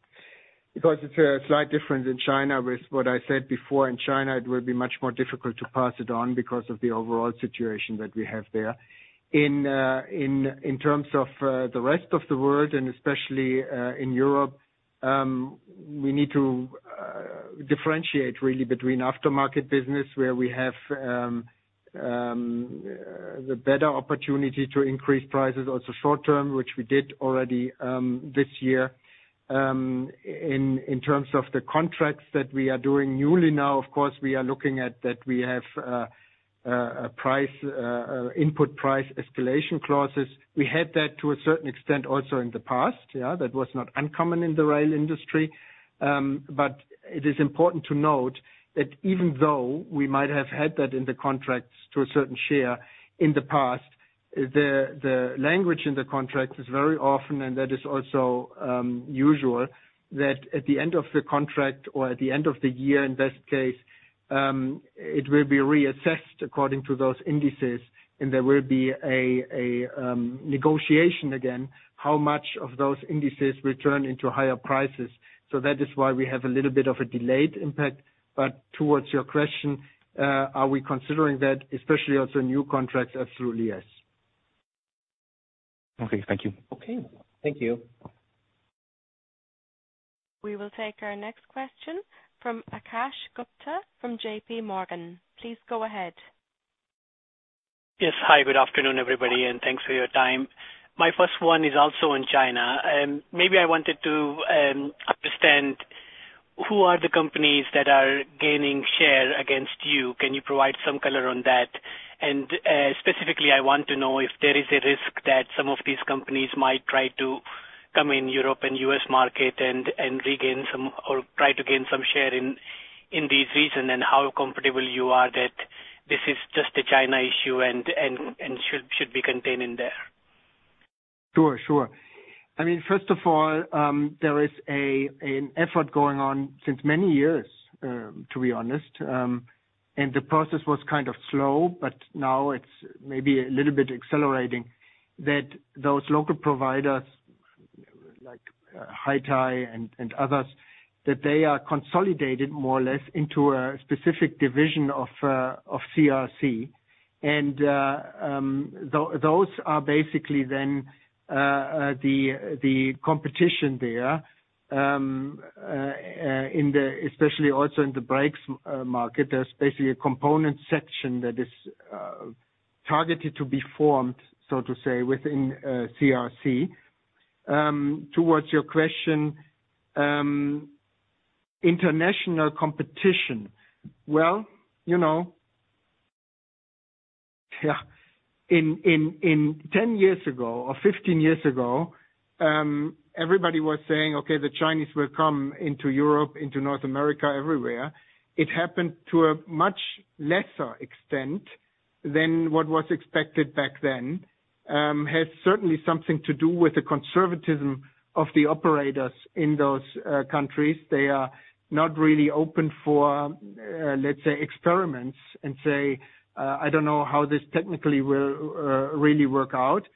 Because it's a slight difference in China with what I said before. In China, it will be much more difficult to pass it on because of the overall situation that we have there. In terms of the rest of the world and especially in Europe, we need to differentiate really between Aftermarket business where we have the better opportunity to increase prices also short term, which we did already this year. In terms of the contracts that we are doing newly now, of course, we are looking at that we have a price input price escalation clauses. We had that to a certain extent also in the past, yeah. That was not uncommon in the rail industry. It is important to note that even though we might have had that in the contracts to a certain share in the past. The language in the contract is very often, and that is also usual that at the end of the contract or at the end of the year in best case, it will be reassessed according to those indices and there will be a negotiation again, how much of those indices will turn into higher prices. That is why we have a little bit of a delayed impact. Towards your question, are we considering that especially also new contracts absolutely, yes. Okay. Thank you. Okay. Thank you. We will take our next question from Akash Gupta from JPMorgan. Please go ahead. Yes. Hi, good afternoon, everybody, and thanks for your time. My first one is also in China, and maybe I wanted to understand who are the companies that are gaining share against you. Can you provide some color on that? Specifically, I want to know if there is a risk that some of these companies might try to come in Europe and U.S. market and regain some or try to gain some share in this region, and how comfortable you are that this is just a China issue and should be contained in there. Sure, sure. I mean, first of all, there is an effort going on since many years, to be honest. The process was kind of slow, but now it's maybe a little bit accelerating that those local providers like Hitai and others, that they are consolidated more or less into a specific division of CRRC. Those are basically then the competition there, especially also in the brakes market. There's basically a component section that is targeted to be formed, so to say, within CRRC. Towards your question, international competition. Well, you know, yeah, in 10 years ago or 15 years ago, everybody was saying, okay, the Chinese will come into Europe, into North America, everywhere. It happened to a much lesser extent than what was expected back then. It has certainly something to do with the conservatism of the operators in those countries. They are not really open for, let's say, experiments and say, I don't know how this technically will really work out.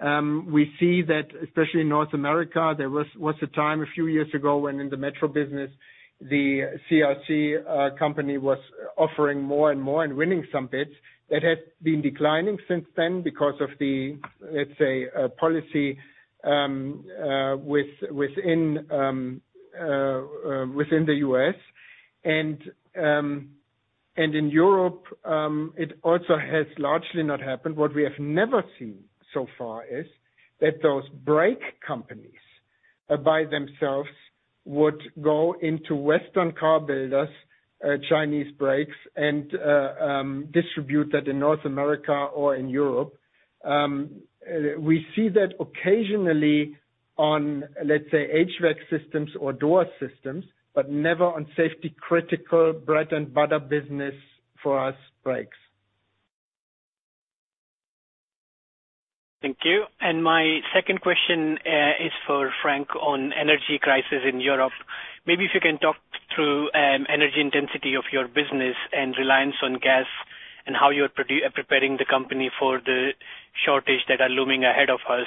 We see that especially in North America, there was a time a few years ago when in the metro business, the CRRC company was offering more and more and winning some bids. That has been declining since then because of the, let's say, policy within the U.S. In Europe, it also has largely not happened. What we have never seen so far is that those brake companies by themselves would go into Western car builders, Chinese brakes and distribute that in North America or in Europe. We see that occasionally on, let's say, HVAC systems or door systems, but never on safety-critical bread and butter business for us brakes. Thank you. My second question is for Frank on energy crisis in Europe. Maybe if you can talk through energy intensity of your business and reliance on gas and how you are preparing the company for the shortage that are looming ahead of us.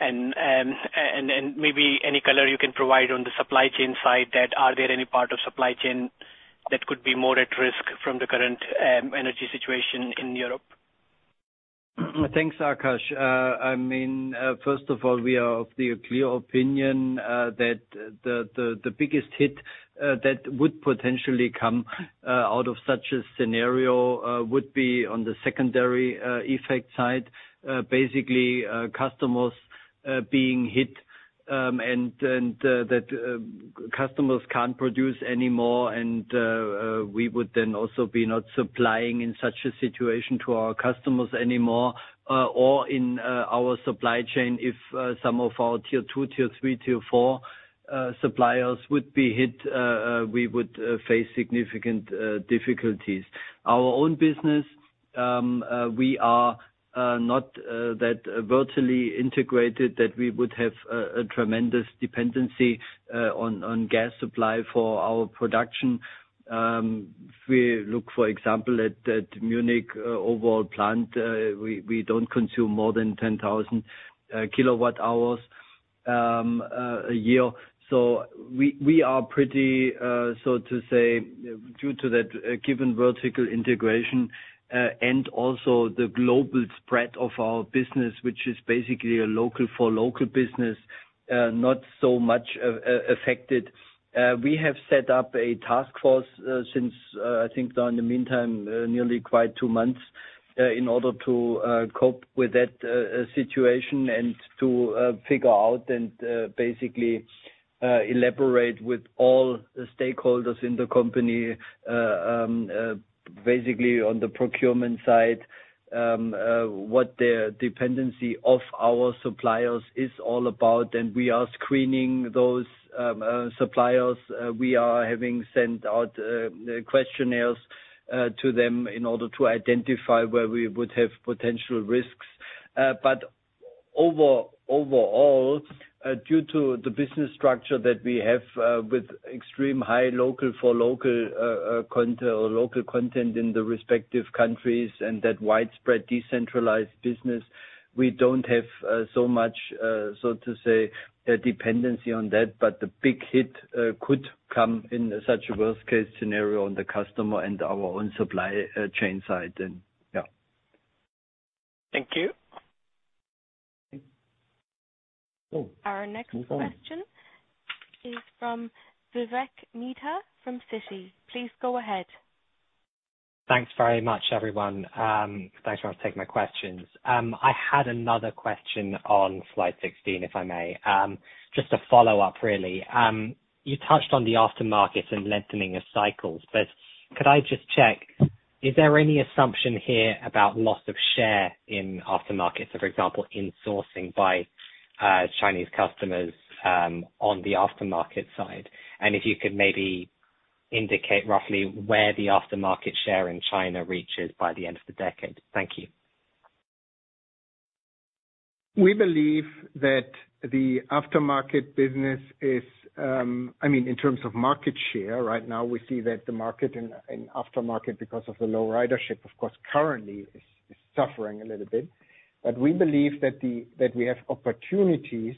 Maybe any color you can provide on the supply chain side that are there any part of supply chain that could be more at risk from the current energy situation in Europe? Thanks, Akash. I mean, first of all, we are of the clear opinion that the biggest hit that would potentially come out of such a scenario would be on the secondary effect side. Basically, customers being hit, and that customers can't produce anymore and we would then also be not supplying in such a situation to our customers anymore, or in our supply chain, if some of our tier two, tier three, tier four suppliers would be hit, we would face significant difficulties. Our own business, we are not that vertically integrated that we would have a tremendous dependency on gas supply for our production. If we look, for example, at that Munich overall plant, we don't consume more than 10,000 kWh a year. We are pretty, so to say, due to that, given vertical integration, and also the global spread of our business, which is basically a local for local business, not so much affected. We have set up a task force, since I think now in the meantime, nearly quite two months, in order to cope with that situation and to figure out and basically elaborate with all the stakeholders in the company, basically on the procurement side, what the dependency of our suppliers is all about. We are screening those suppliers. We are having sent out questionnaires to them in order to identify where we would have potential risks, but Overall, due to the business structure that we have, with extremely high local-for-local content in the respective countries and that widespread decentralized business, we don't have so much, so to say, dependency on that, but the big hit could come in such a worst case scenario on the customer and our own supply chain side. Thank you. Oh. Our next question is from Vivek Midha from Citi. Please go ahead. Thanks very much, everyone. Thanks for taking my questions. I had another question on slide 16, if I may. Just a follow-up, really. You touched on the Aftermarket and lengthening of cycles, but could I just check, is there any assumption here about loss of share in Aftermarket? For example, insourcing by Chinese customers on the Aftermarket side. If you could maybe indicate roughly where the Aftermarket share in China reaches by the end of the decade. Thank you. We believe that the Aftermarket business is, I mean, in terms of market share right now, we see that the market in Aftermarket because of the low ridership, of course, currently is suffering a little bit. We believe that we have opportunities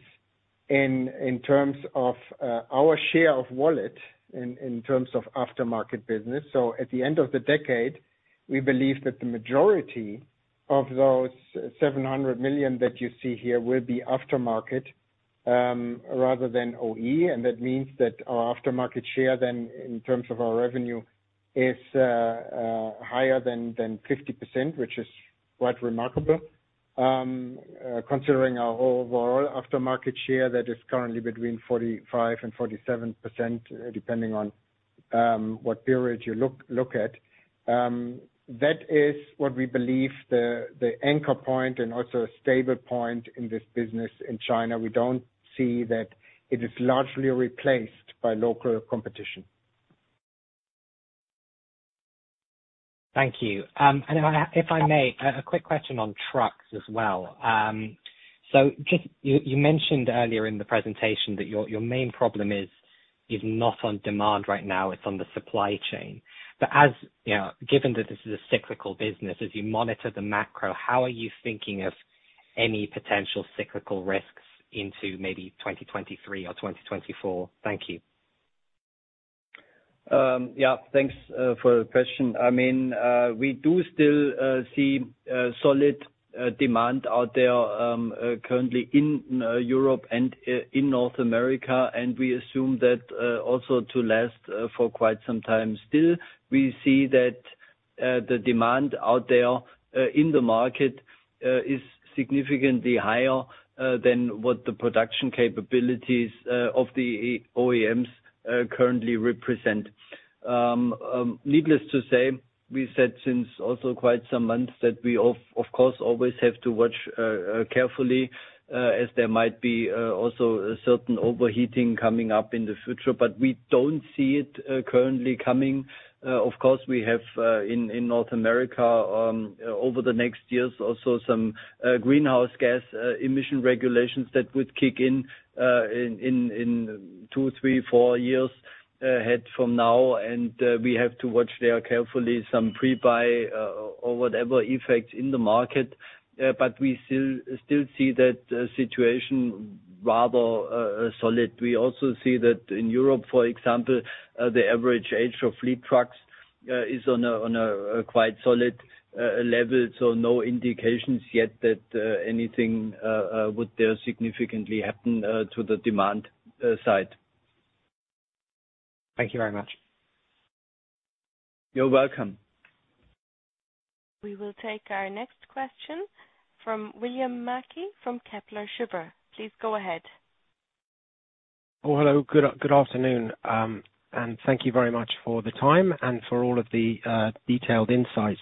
in terms of our share of wallet in terms of Aftermarket business. At the end of the decade, we believe that the majority of those 700 million that you see here will be Aftermarket, rather than OE. That means that our Aftermarket share then in terms of our revenue is higher than 50%, which is quite remarkable, considering our overall Aftermarket share that is currently between 45%-47%, depending on what period you look at. That is what we believe the anchor point and also a stable point in this business in China. We don't see that it is largely replaced by local competition. Thank you. If I may, a quick question on trucks as well. You mentioned earlier in the presentation that your main problem is not on demand right now, it's on the supply chain. As you know, given that this is a cyclical business, as you monitor the macro, how are you thinking of any potential cyclical risks into maybe 2023 or 2024? Thank you. Yeah. Thanks for the question. I mean, we do still see solid demand out there currently in Europe and in North America, and we assume that also to last for quite some time. Still, we see that the demand out there in the market is significantly higher than what the production capabilities of the OEMs currently represent. Needless to say, we have said for quite some months that we, of course, always have to watch carefully as there might be also a certain overheating coming up in the future, but we don't see it currently coming. Of course, we have in North America over the next years also some greenhouse gas emission regulations that would kick in in two, three, four years ahead from now. We have to watch there carefully some pre-buy or whatever effects in the market. We still see that situation rather solid. We also see that in Europe, for example, the average age of fleet trucks is on a quite solid level. No indications yet that anything would there significantly happen to the demand side. Thank you very much. You're welcome. We will take our next question from William Mackie from Kepler Cheuvreux. Please go ahead. Hello. Good afternoon. Thank you very much for the time and for all of the detailed insights.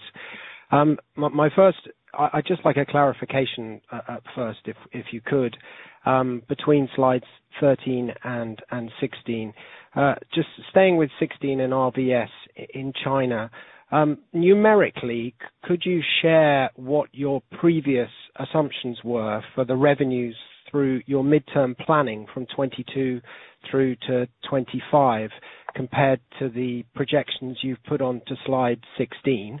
My first, I'd just like a clarification up first, if you could, between slides 13 and 16. Just staying with 16 and RVS in China, numerically, could you share what your previous assumptions were for the revenues through your midterm planning from 2022 through to 2025 compared to the projections you've put onto slide 16?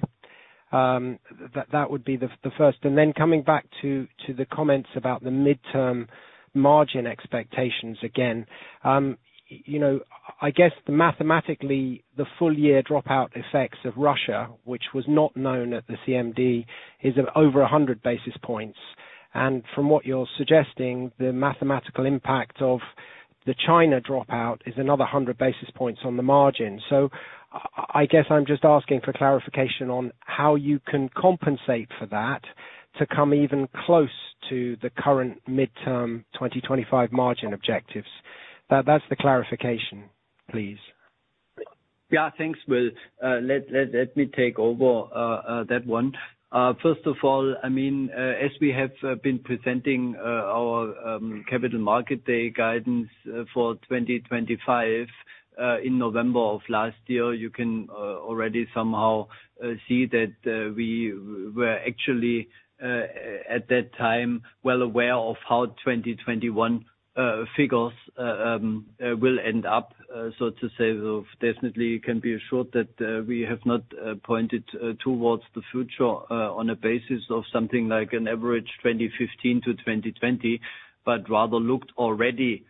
That would be the first. Coming back to the comments about the midterm margin expectations again. You know, I guess mathematically, the full year dropout effects of Russia, which was not known at the CMD, is over a hundred basis points. From what you're suggesting, the mathematical impact of the China dropout is another 100 basis points on the margin. I guess I'm just asking for clarification on how you can compensate for that to come even close to the current mid-term 2025 margin objectives. That's the clarification, please. Yeah, thanks, Will. Let me take over that one. First of all, I mean, as we have been presenting our Capital Markets Day guidance for 2025 in November of last year, you can already somehow see that we were actually at that time well aware of how 2021 figures will end up. To say, we definitely can be assured that we have not pointed towards the future on a basis of something like an average 2015-2020, but rather looked already,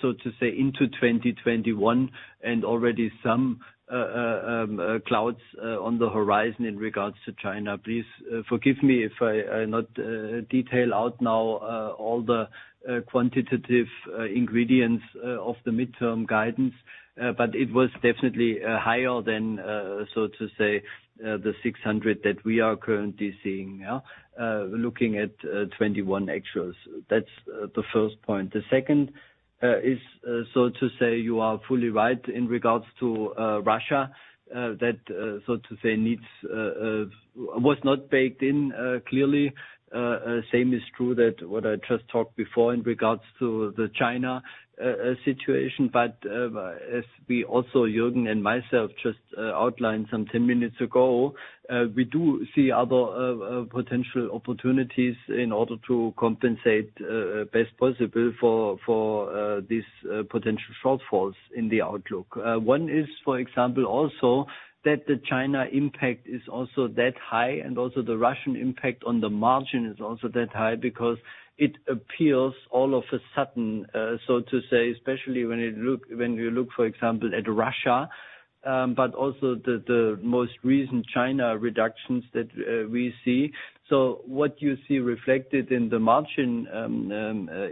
so to say, into 2021 and already some clouds on the horizon in regard to China. Please forgive me if I do not detail out now all the quantitative ingredients of the mid-term guidance. It was definitely higher than, so to say, 600 that we are currently seeing now, looking at 2021 exit rates. That's the first point. The second is, so to say, you are fully right in regards to Russia, that so to say the needs was not baked in clearly. Same is true for what I just talked about before in regards to the China situation. As we also, Jürgen and myself, just outlined 10 minutes ago, we do see other potential opportunities in order to compensate best possible for these potential shortfalls in the outlook. One is, for example, also that the China impact is also that high, and also the Russian impact on the margin is also that high because it appears all of a sudden, so to say, especially when you look, for example, at Russia, but also the most recent China reductions that we see. What you see reflected in the margin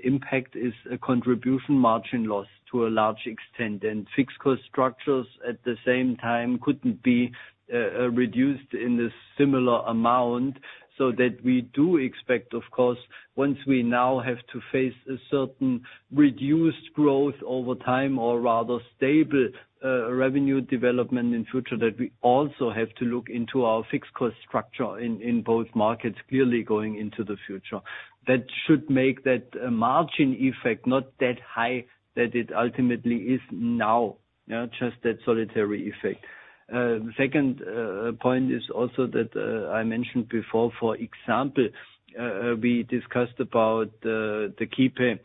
impact is a contribution margin loss to a large extent. Fixed cost structures at the same time couldn't be reduced in this similar amount, so that we do expect, of course, once we now have to face a certain reduced growth over time or rather stable revenue development in future, that we also have to look into our fixed cost structure in both markets clearly going into the future. That should make that margin effect not that high that it ultimately is now, just that solitary effect. Second point is also that I mentioned before, for example, we discussed about the Kiepe Electric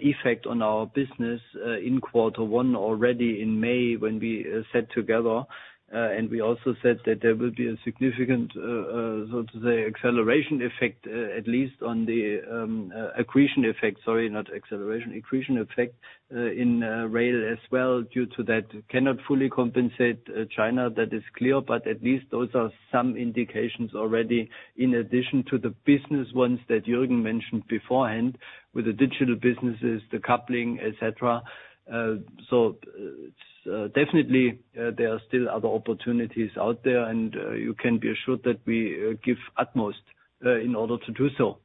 effect on our business in quarter one already in May when we sat together. We also said that there will be a significant so to say accretion effect, at least on the accretion effect in rail as well due to that cannot fully compensate China. That is clear, but at least those are some indications already in addition to the business ones that Jürgen mentioned beforehand with the digital businesses, the coupling, et cetera. Definitely, there are still other opportunities out there, and you can be assured that we give utmost in order to do so.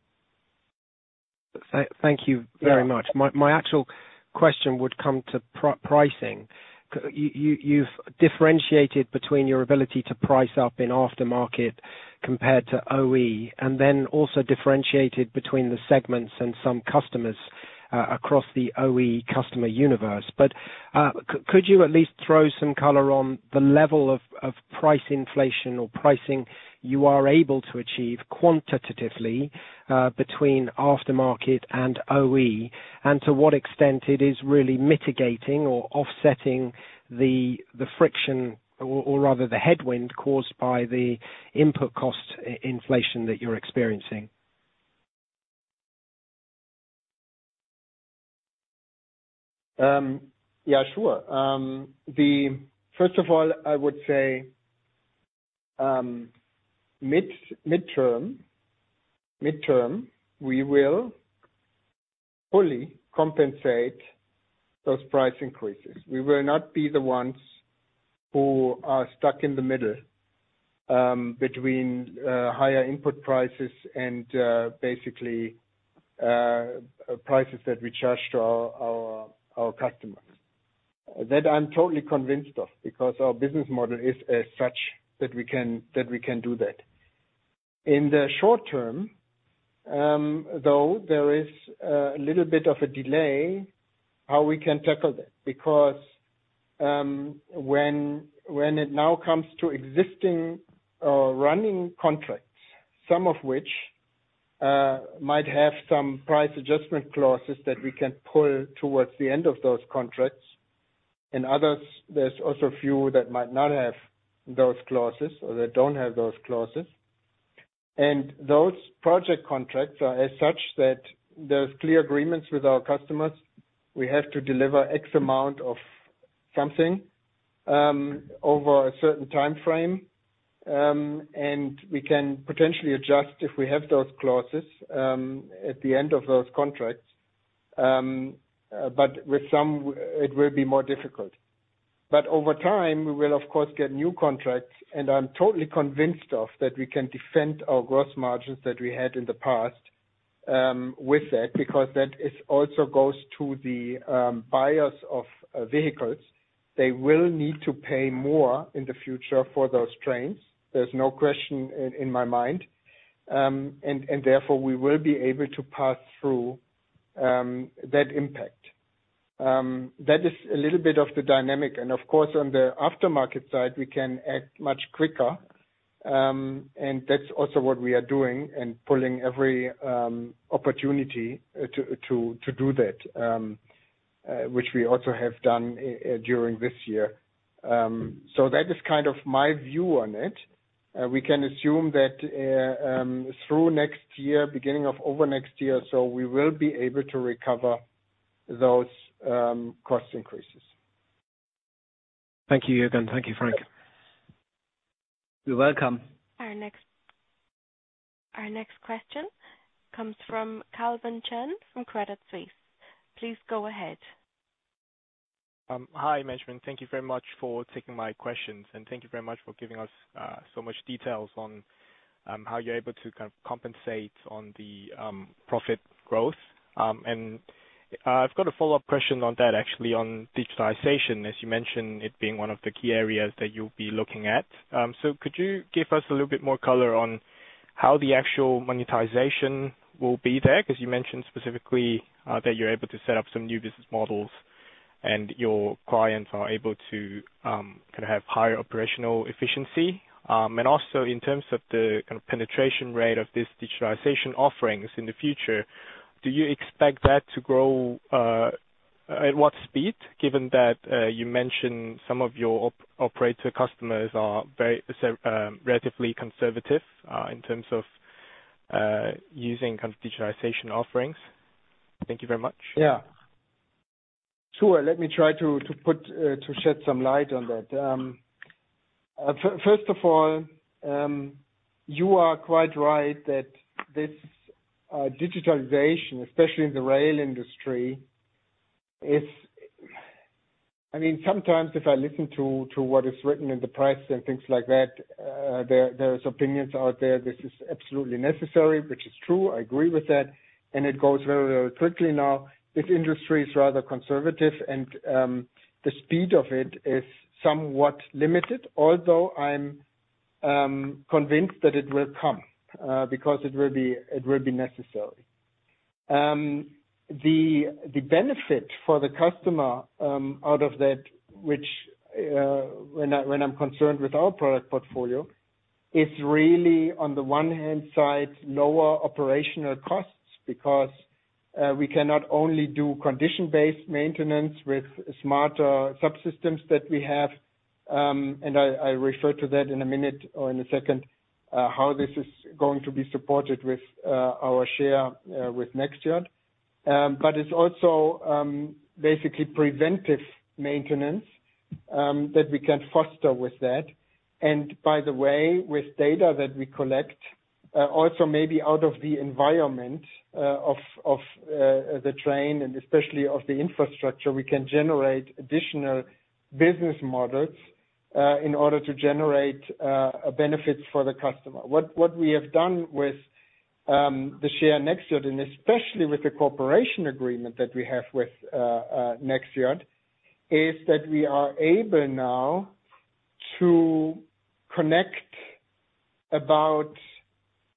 Thank you very much. My actual question would come to pricing. You've differentiated between your ability to price up in Aftermarket compared to OE, and then also differentiated between the segments and some customers across the OE customer universe. Could you at least throw some color on the level of price inflation or pricing you are able to achieve quantitatively between Aftermarket and OE, and to what extent it is really mitigating or offsetting the friction or rather the headwind caused by the input cost inflation that you're experiencing? Yeah, sure. First of all, I would say, mid-term, we will fully compensate those price increases. We will not be the ones who are stuck in the middle, between higher input prices and, basically, prices that we charge to our customers. That I'm totally convinced of because our business model is as such that we can do that. In the short-term, though, there is a little bit of a delay how we can tackle that, because, when it now comes to existing or running contracts, some of which might have some price adjustment clauses that we can pull towards the end of those contracts, and others, there's also a few that might not have those clauses or that don't have those clauses. Those project contracts are as such that there's clear agreements with our customers. We have to deliver X amount of something, over a certain time frame, and we can potentially adjust if we have those clauses, at the end of those contracts. With some, it will be more difficult. Over time, we will of course get new contracts, and I'm totally convinced of that we can defend our gross margins that we had in the past. With that, because that it also goes to the buyers of vehicles. They will need to pay more in the future for those trains. There's no question in my mind. Therefore, we will be able to pass through that impact. That is a little bit of the dynamic and of course, on the Aftermarket side, we can act much quicker. That's also what we are doing and pulling every opportunity to do that, which we also have done during this year. That is kind of my view on it. We can assume that through next year, beginning of over next year, we will be able to recover those cost increases. Thank you, Jürgen. Thank you, Frank. You're welcome. Our next question comes from Kevin Chen from Credit Suisse. Please go ahead. Hi, management. Thank you very much for taking my questions and thank you very much for giving us so much details on how you're able to kind of compensate on the profit growth. I've got a follow-up question on that, actually, on digitalization, as you mentioned it being one of the key areas that you'll be looking at. Could you give us a little bit more color on how the actual monetization will be there? 'Cause you mentioned specifically that you're able to set up some new business models and your clients are able to kind of have higher operational efficiency. Also in terms of the kind of penetration rate of this digitalization offerings in the future, do you expect that to grow at what speed? Given that you mentioned some of your operator customers are very relatively conservative in terms of using kind of digitalization offerings. Thank you very much. Yeah. Sure. Let me try to shed some light on that. First of all, you are quite right that this digitalization, especially in the rail industry, is. I mean, sometimes if I listen to what is written in the press and things like that, there is opinions out there, this is absolutely necessary, which is true. I agree with that, and it goes very, very quickly now. This industry is rather conservative and the speed of it is somewhat limited, although I'm convinced that it will come because it will be necessary. The benefit for the customer out of that, which when I'm concerned with our product portfolio, is really on the one hand side lower operational costs because we cannot only do condition-based maintenance with smarter subsystems that we have. I refer to that in a minute or in a second how this is going to be supported with our share with Nexxiot. It's also basically preventive maintenance that we can foster with that. By the way, with data that we collect also maybe out of the environment of the train and especially of the infrastructure, we can generate additional business models in order to generate a benefit for the customer. What we have done with the share Nexxiot and especially with the cooperation agreement that we have with Nexxiot is that we are able now to connect about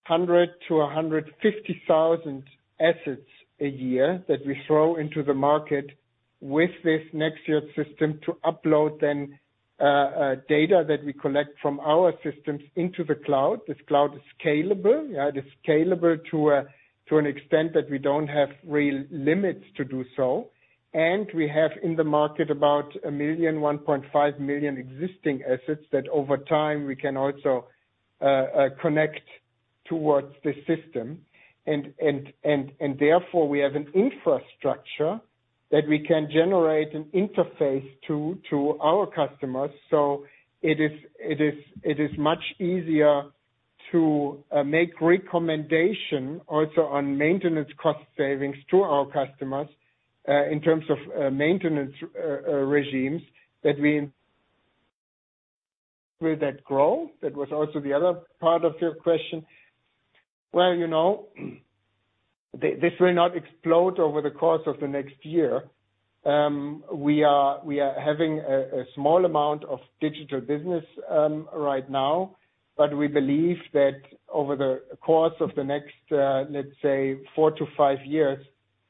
100-150 thousand assets a year that we throw into the market with this Nexxiot system to upload then data that we collect from our systems into the cloud. This cloud is scalable. It is scalable to an extent that we don't have real limits to do so. We have in the market about 1-1.5 million existing assets that over time we can also connect towards the system. Therefore we have an infrastructure that we can generate an interface to our customers. It is much easier to make recommendation also on maintenance cost savings to our customers in terms of maintenance regimes that we. Will that grow? That was also the other part of your question. Well, you know, this will not explode over the course of the next year. We are having a small amount of digital business right now. But we believe that over the course of the next, let's say four to five years,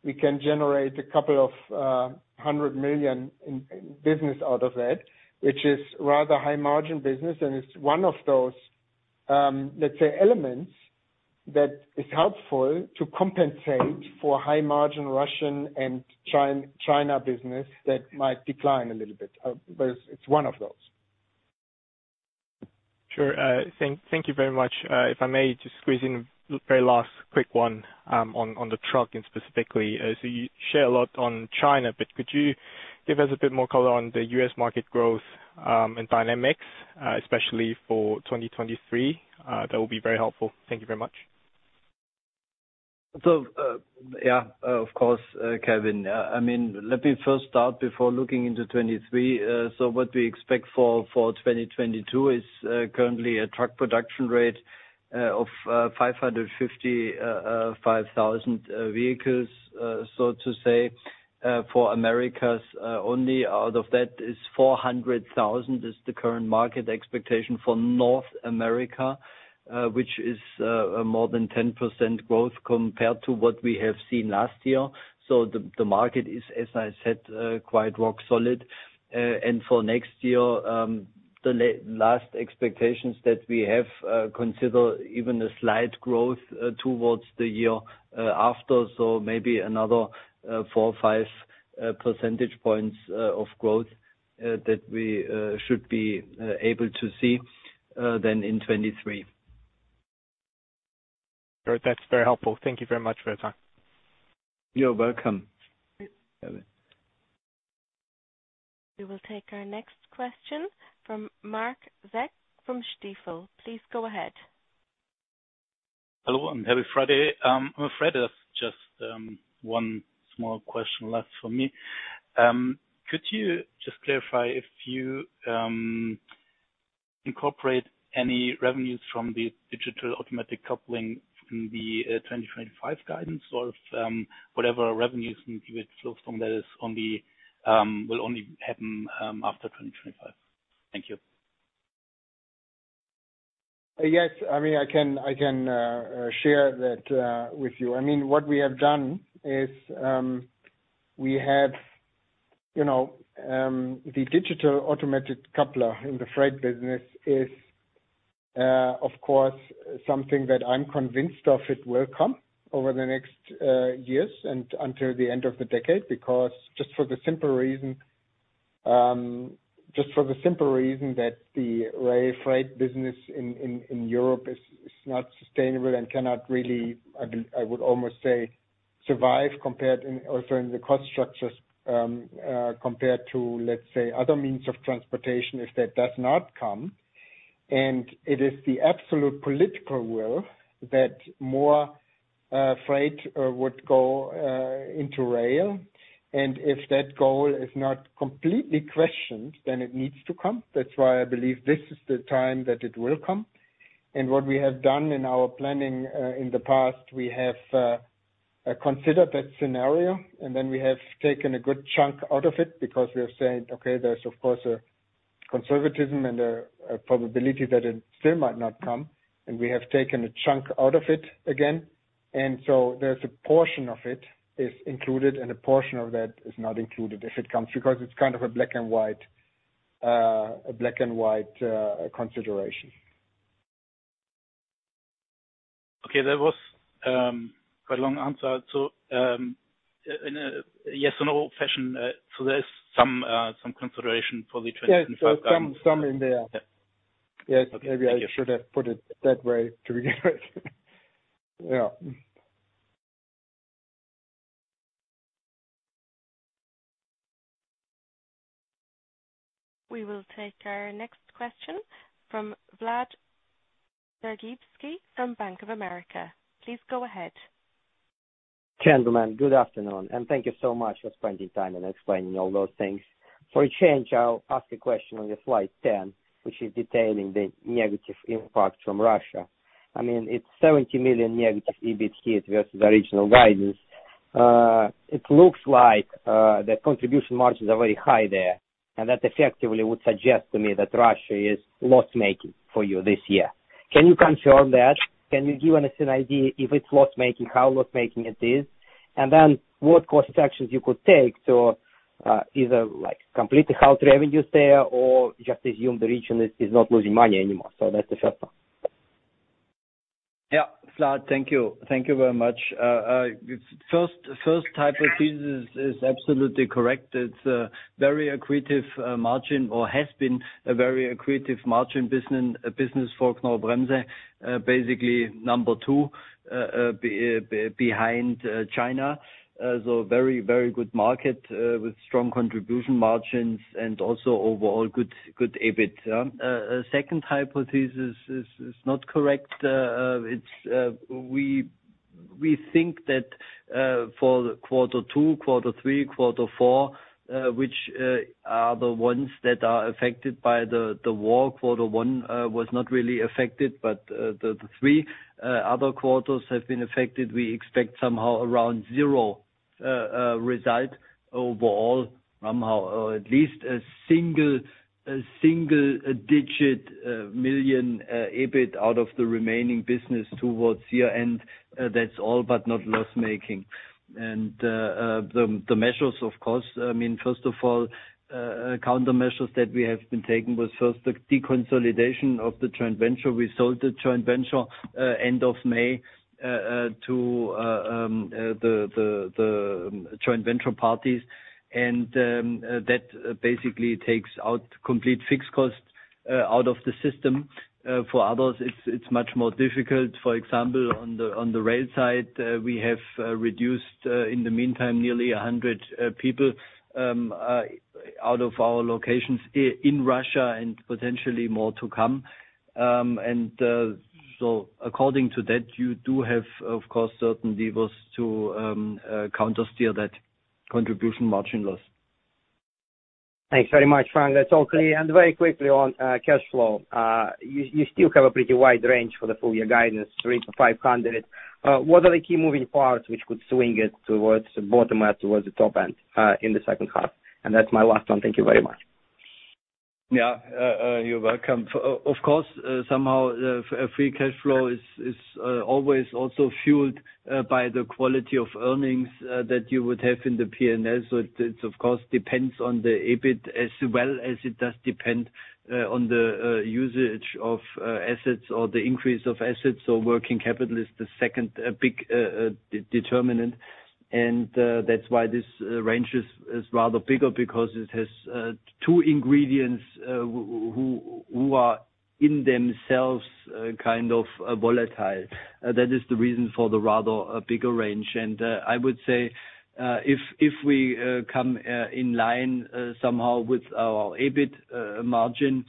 we can generate a couple of hundred million EUR in business out of it, which is rather high margin business. It's one of those, let's say elements that is helpful to compensate for high margin Russian and China business that might decline a little bit, but it's one of those. Sure. Thank you very much. If I may just squeeze in very last quick one, on the trucking specifically. You share a lot on China, but could you give us a bit more color on the U.S. market growth, and dynamics, especially for 2023? That would be very helpful. Thank you very much. Yeah, of course, Kevin. I mean, let me first start before looking into 2023. What we expect for 2022 is currently a truck production rate of 555,000 vehicles, so to say, for the Americas only. Out of that, 400,000 is the current market expectation for North America, which is more than 10% growth compared to what we have seen last year. The market is, as I said, quite rock solid. For next year, the last expectations that we have consider even a slight growth towards the year after. Maybe another four or five percentage points of growth that we should be able to see then in 2023. Great. That's very helpful. Thank you very much for your time. You're welcome, Kevin. We will take our next question from Marc Zeck from Stifel. Please go ahead. Hello, and happy Friday. Fred, just one small question left for me. Could you just clarify if you incorporate any revenues from the Digital Automatic Coupler in the 2025 guidance or if whatever revenues and EBIT flows from that will only happen after 2025? Thank you. Yes. I mean, I can share that with you. I mean, what we have done is, we have, you know, the Digital Automatic Coupler in the freight business is, of course, something that I'm convinced of. It will come over the next years and until the end of the decade, because just for the simple reason that the rail freight business in Europe is not sustainable and cannot really, I would almost say, survive compared also in the cost structures compared to, let's say, other means of transportation, if that does not come. It is the absolute political will that more freight would go into rail. If that goal is not completely questioned, then it needs to come. That's why I believe this is the time that it will come. What we have done in our planning, in the past, we have considered that scenario, and then we have taken a good chunk out of it because we are saying, "Okay, there's of course a conservatism and a probability that it still might not come." We have taken a chunk out of it again. There's a portion of it is included, and a portion of that is not included if it comes, because it's kind of a black-and-white consideration. Okay. That was quite a long answer. In a yes or no fashion, so there's some consideration for 2025- Yes. Some in there. Yep. Yes. Okay. Maybe I should have put it that way to begin with. Yeah. We will take our next question from Vlad Sergievskiy from Bank of America. Please go ahead. Gentlemen, good afternoon, and thank you so much for spending time and explaining all those things. For a change, I'll ask a question on your slide 10, which is detailing the negative impact from Russia. I mean, it's 70 million negative EBIT hit vs the original guidance. It looks like the contribution margins are very high there, and that effectively would suggest to me that Russia is loss-making for you this year. Can you confirm that? Can you give us an idea if it's loss-making, how loss-making it is? And then what cost actions you could take to either, like, completely halt revenues there or just assume the region is not losing money anymore. That's the first one. Yeah. Vlad, thank you. Thank you very much. First hypothesis is absolutely correct. It's a very accretive margin or has been a very accretive margin business for Knorr-Bremse, basically number two behind China. So very good market with strong contribution margins and also overall good EBIT. Second hypothesis is not correct. It's we think that for quarter two, quarter three, quarter four, which are the ones that are affected by the war. Quarter one was not really affected, but the three other quarters have been affected. We expect somehow around zero EUR result overall, somehow, or at least a single-digit million EUR EBIT out of the remaining business towards year-end. That's all, but not loss-making. The measures, of course, I mean, first of all, countermeasures that we have been taking was first the deconsolidation of the joint venture. We sold the joint venture end of May to the joint venture parties. That basically takes out complete fixed costs out of the system. For others, it's much more difficult. For example, on the rail side, we have reduced in the meantime nearly 100 people. Out of our locations in Russia and potentially more to come. According to that, you do have, of course, certain levers to counter steer that contribution margin loss. Thanks very much, Frank. That's all clear. Very quickly on cash flow. You still have a pretty wide range for the full year guidance, 300-500. What are the key moving parts which could swing it towards the bottom or towards the top end in the second half? That's my last one. Thank you very much. Yeah. You're welcome. Of course, somehow, Free Cash Flow is always also fueled by the quality of earnings that you would have in the P&L. It, of course, depends on the EBIT as well as it does depend on the usage of assets or the increase of assets or working capital is the second big determinant. That's why this range is rather bigger because it has two ingredients who are in themselves kind of volatile. That is the reason for the rather bigger range. I would say if we come in line somehow with our EBIT margin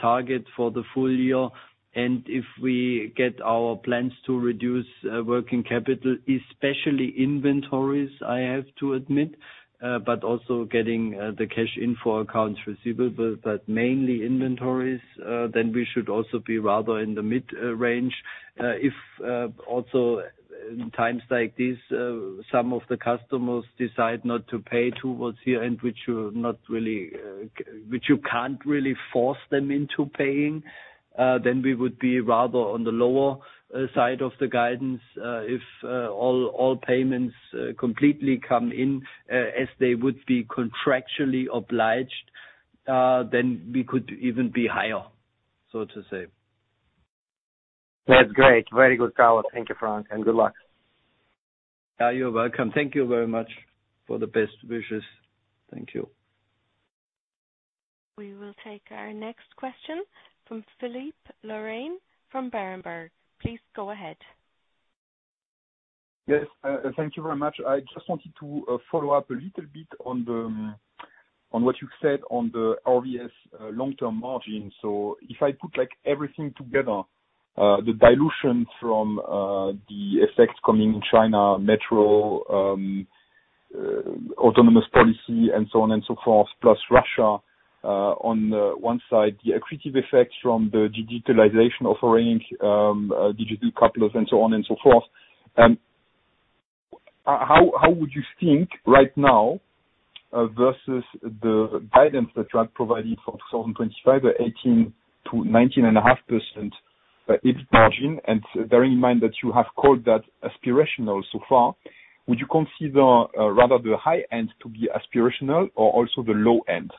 target for the full year, and if we get our plans to reduce working capital, especially inventories, I have to admit, but also getting the cash in for accounts receivable, but mainly inventories, then we should also be rather in the mid range. If also in times like this some of the customers decide not to pay towards the end, which you can't really force them into paying, then we would be rather on the lower side of the guidance. If all payments completely come in as they would be contractually obliged, then we could even be higher, so to say. That's great. Very good color. Thank you, Frank, and good luck. You're welcome. Thank you very much for the best wishes. Thank you. We will take our next question from Philippe Lorrain from Berenberg. Please go ahead. Yes. Thank you very much. I just wanted to follow up a little bit on what you said on the RVS long-term margin. If I put, like, everything together, the dilution from the effects coming in China, Metro, autonomous policy and so on and so forth, plus Russia, on one side, the accretive effects from the digitalization offering, digital couplers and so on and so forth. How would you think right now, vs the guidance that you have provided for 2025, 18%-19.5% EBIT margin? Bearing in mind that you have called that aspirational so far, would you consider rather the high end to be aspirational or also the low end?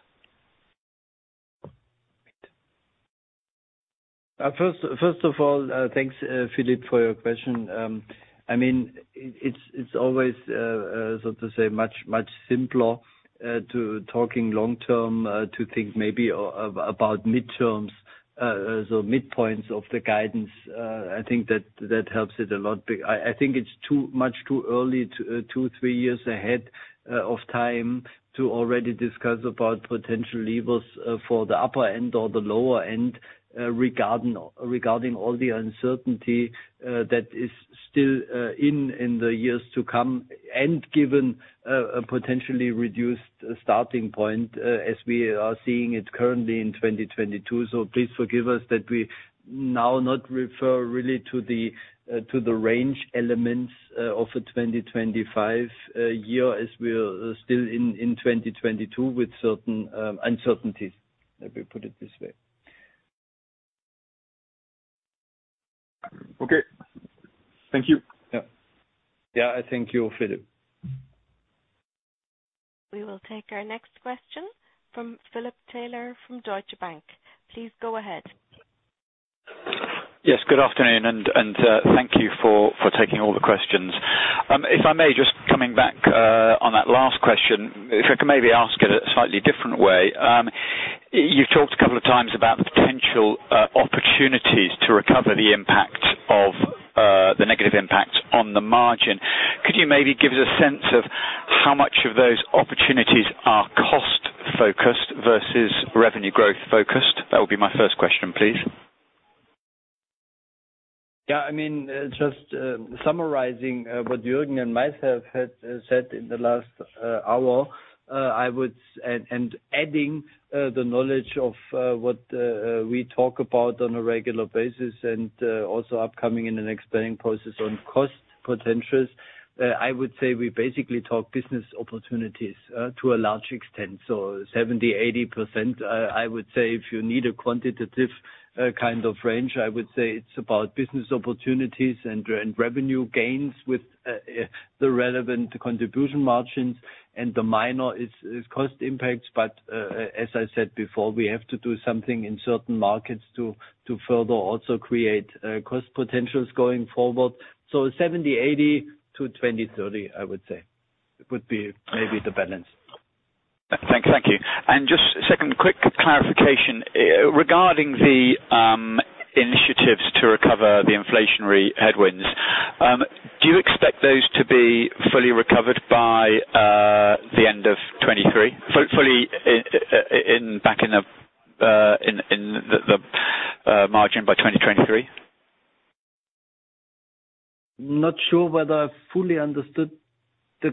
First of all, thanks, Philippe, for your question. I mean, it's always so to say much simpler to talk long-term, to think maybe about mid-terms, so midpoints of the guidance. I think that helps it a lot. I think it's much too early to two to three years ahead of time to already discuss about potential levers for the upper end or the lower end, regarding all the uncertainty that is still in the years to come and given a potentially reduced starting point as we are seeing it currently in 2022. Please forgive us that we now not refer really to the range elements of a 2025 year as we are still in 2022 with certain uncertainties. Let me put it this way. Okay. Thank you. Yeah. Thank you, Philippe. We will take our next question from Philip Sheridan from Deutsche Bank. Please go ahead. Yes, good afternoon, thank you for taking all the questions. If I may just come back on that last question, if I could maybe ask it a slightly different way. You've talked a couple of times about the potential opportunities to recover the impact of the negative impact on the margin. Could you maybe give us a sense of how much of those opportunities are cost-focused vs revenue growth focused? That would be my first question, please. Yeah. I mean, just summarizing what Jürgen and myself had said in the last hour and adding the knowledge of what we talk about on a regular basis and also upcoming in the next planning process on cost potentials. I would say we basically talk business opportunities to a large extent. 70-80%, I would say if you need a quantitative kind of range, I would say it's about business opportunities and revenue gains with the relevant contribution margins and the minor is cost impacts. As I said before, we have to do something in certain markets to further also create cost potentials going forward. 70-80 to 20-30, I would say, would be maybe the balance. Thank you. Just a second quick clarification. Regarding the initiatives to recover the inflationary headwinds. To be fully recovered by the end of 2023. Fully back in the margin by 2023. Not sure whether I fully understood the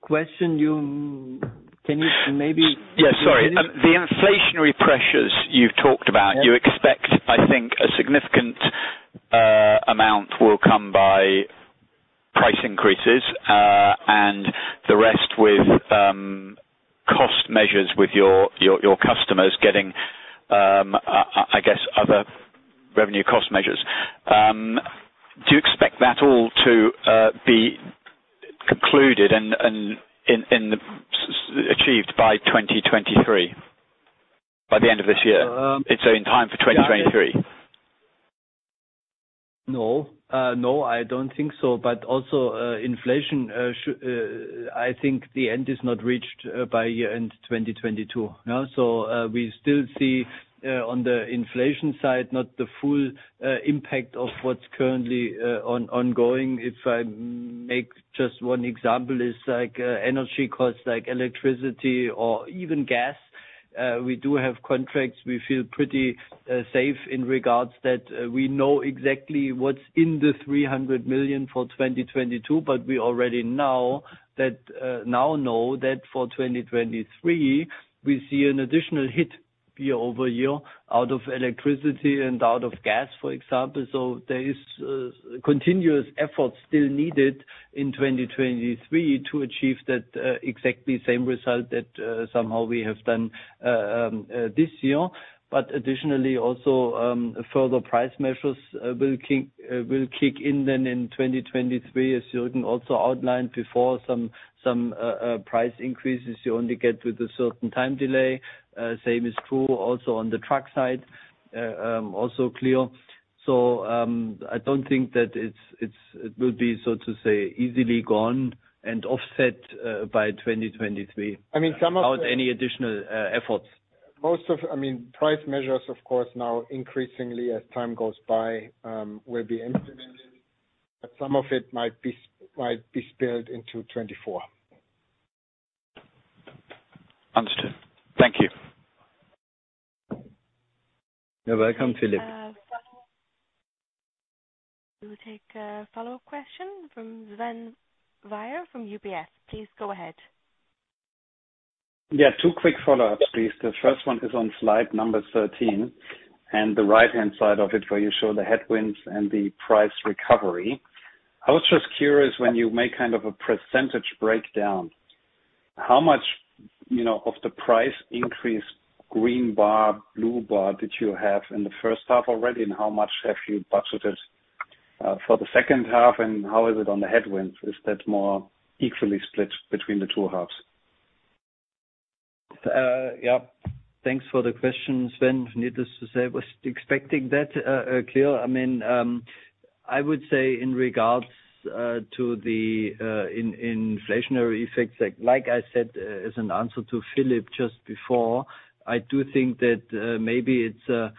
question. Can you maybe Yeah, sorry. The inflationary pressures you've talked about, you expect, I think, a significant amount will come by price increases, and the rest with cost measures with your customers getting, I guess other revenue cost measures. Do you expect that all to be concluded and achieved by 2023, by the end of this year? It's in time for 2023. No. No, I don't think so. Also, inflation, I think the end is not reached, by year-end 2022. We still see, on the inflation side, not the full impact of what's currently ongoing. If I make just one example, like energy costs, like electricity or even gas. We do have contracts. We feel pretty safe in regards that we know exactly what's in the 300 million for 2022, but we already know that for 2023, we see an additional hit year-over-year out of electricity and out of gas, for example. There is continuous effort still needed in 2023 to achieve that exactly same result that somehow we have done this year. Further price measures will kick in then in 2023, as Jürgen also outlined before. Some price increases you only get with a certain time delay. Same is true also on the truck side, also clear. I don't think that it will be, so to say, easily gone and offset by 2023. I mean. Without any additional efforts. Most of, I mean, price measures, of course, now increasingly, as time goes by, will be implemented, but some of it might be spilled into 2024. Understood. Thank you. You're welcome, Philip. We'll take a follow-up question from Sven Weier from UBS. Please go ahead. Yeah. Two quick follow-ups, please. The first one is on slide number 13 and the right-hand side of it where you show the headwinds and the price recovery. I was just curious, when you make kind of a percentage breakdown, how much, you know, of the price increase, green bar, blue bar, did you have in the first half already, and how much have you budgeted for the second half, and how is it on the headwinds? Is that more equally split between the two halves? Yeah. Thanks for the question, Sven. Needless to say, I was expecting that, clear. I mean, I would say in regards to the inflationary effects, like I said as an answer to Philip just before, I do think that maybe it's a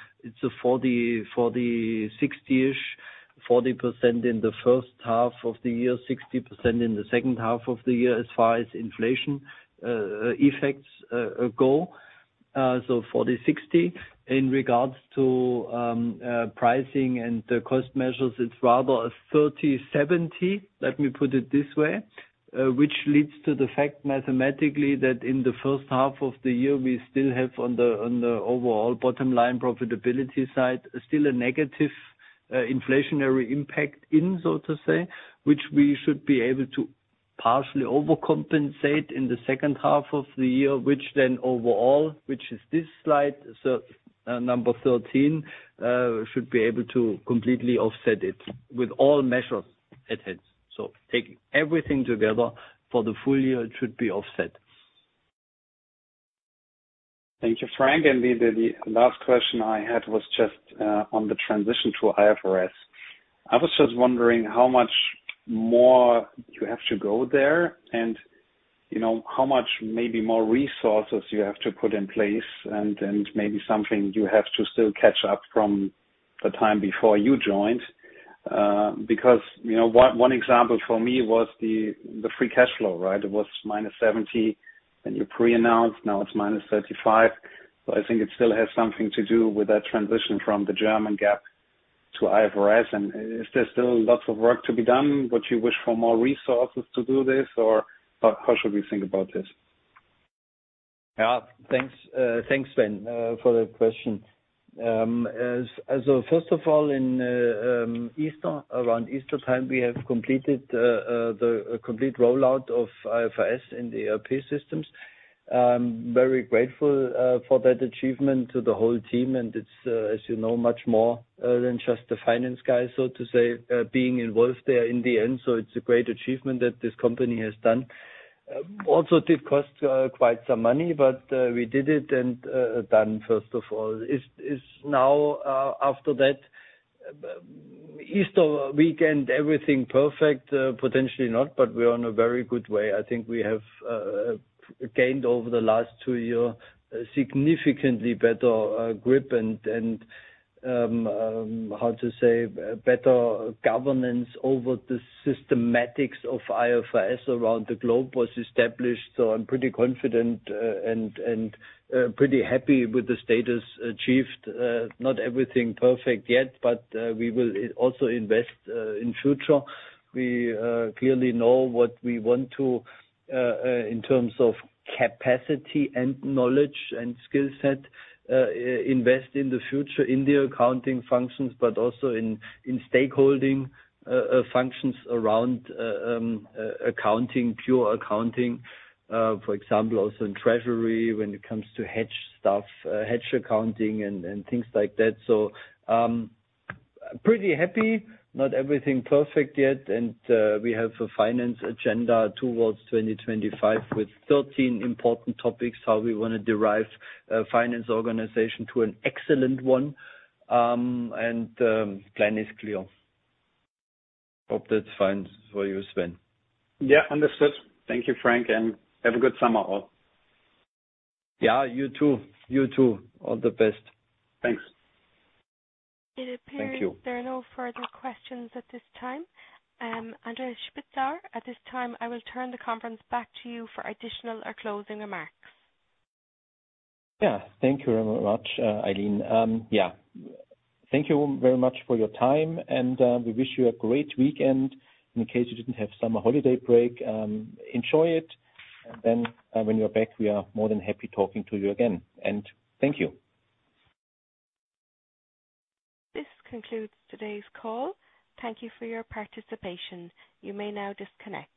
40/60-ish, 40% in the first half of the year, 60% in the second half of the year, as far as inflation effects go. So 40/60. In regards to pricing and the cost measures, it's rather a 30/70, let me put it this way, which leads to the fact, mathematically, that in the first half of the year, we still have on the overall bottom line profitability side, still a negative inflationary impact, so to say, which we should be able to partially overcompensate in the second half of the year, which then overall, which is this slide, number 13, should be able to completely offset it with all measures at hand. Take everything together, for the full year it should be offset. Thank you, Frank. The last question I had was just on the transition to IFRS. I was just wondering how much more you have to go there and, you know, how much maybe more resources you have to put in place and maybe something you have to still catch up from the time before you joined. Because, you know, one example for me was the Free Cash Flow, right? It was -70 when you pre-announced, now it's -35. I think it still has something to do with that transition from the German GAAP to IFRS. Is there still lots of work to be done, would you wish for more resources to do this, or how should we think about this? Yeah. Thanks. Thanks, Sven, for the question. As a first of all, in Easter, around Easter time, we have completed the complete rollout of IFRS in the ERP systems. I'm very grateful for that achievement to the whole team, and it's, as you know, much more than just the finance guys, so to say, being involved there in the end. It's a great achievement that this company has done. Also did cost quite some money, but we did it and done, first of all. It's now, after that Easter weekend, everything perfect, potentially not, but we're on a very good way. I think we have gained over the last two years significantly better grip and better governance over the systematics of IFRS around the globe was established. I'm pretty confident and pretty happy with the status achieved. Not everything perfect yet, we will also invest in future. We clearly know what we want to in terms of capacity and knowledge and skill set invest in the future in the accounting functions, but also in stakeholder functions around accounting, pure accounting, for example, also in treasury when it comes to hedge stuff, hedge accounting and things like that. Pretty happy. Not everything perfect yet. We have a finance agenda towards 2025 with 13 important topics, how we want to derive a finance organization to an excellent one. Plan is clear. Hope that's fine for you, Sven. Yeah. Understood. Thank you, Frank, and have a good summer all. Yeah, you too. You too. All the best. Thanks. It appears. Thank you. There are no further questions at this time. Andreas Spitzauer, at this time, I will turn the conference back to you for additional or closing remarks. Yeah. Thank you very much, Eileen. Yeah. Thank you very much for your time, and we wish you a great weekend. In case you didn't have summer holiday break, enjoy it. When you're back, we are more than happy talking to you again. Thank you. This concludes today's call. Thank you for your participation. You may now disconnect.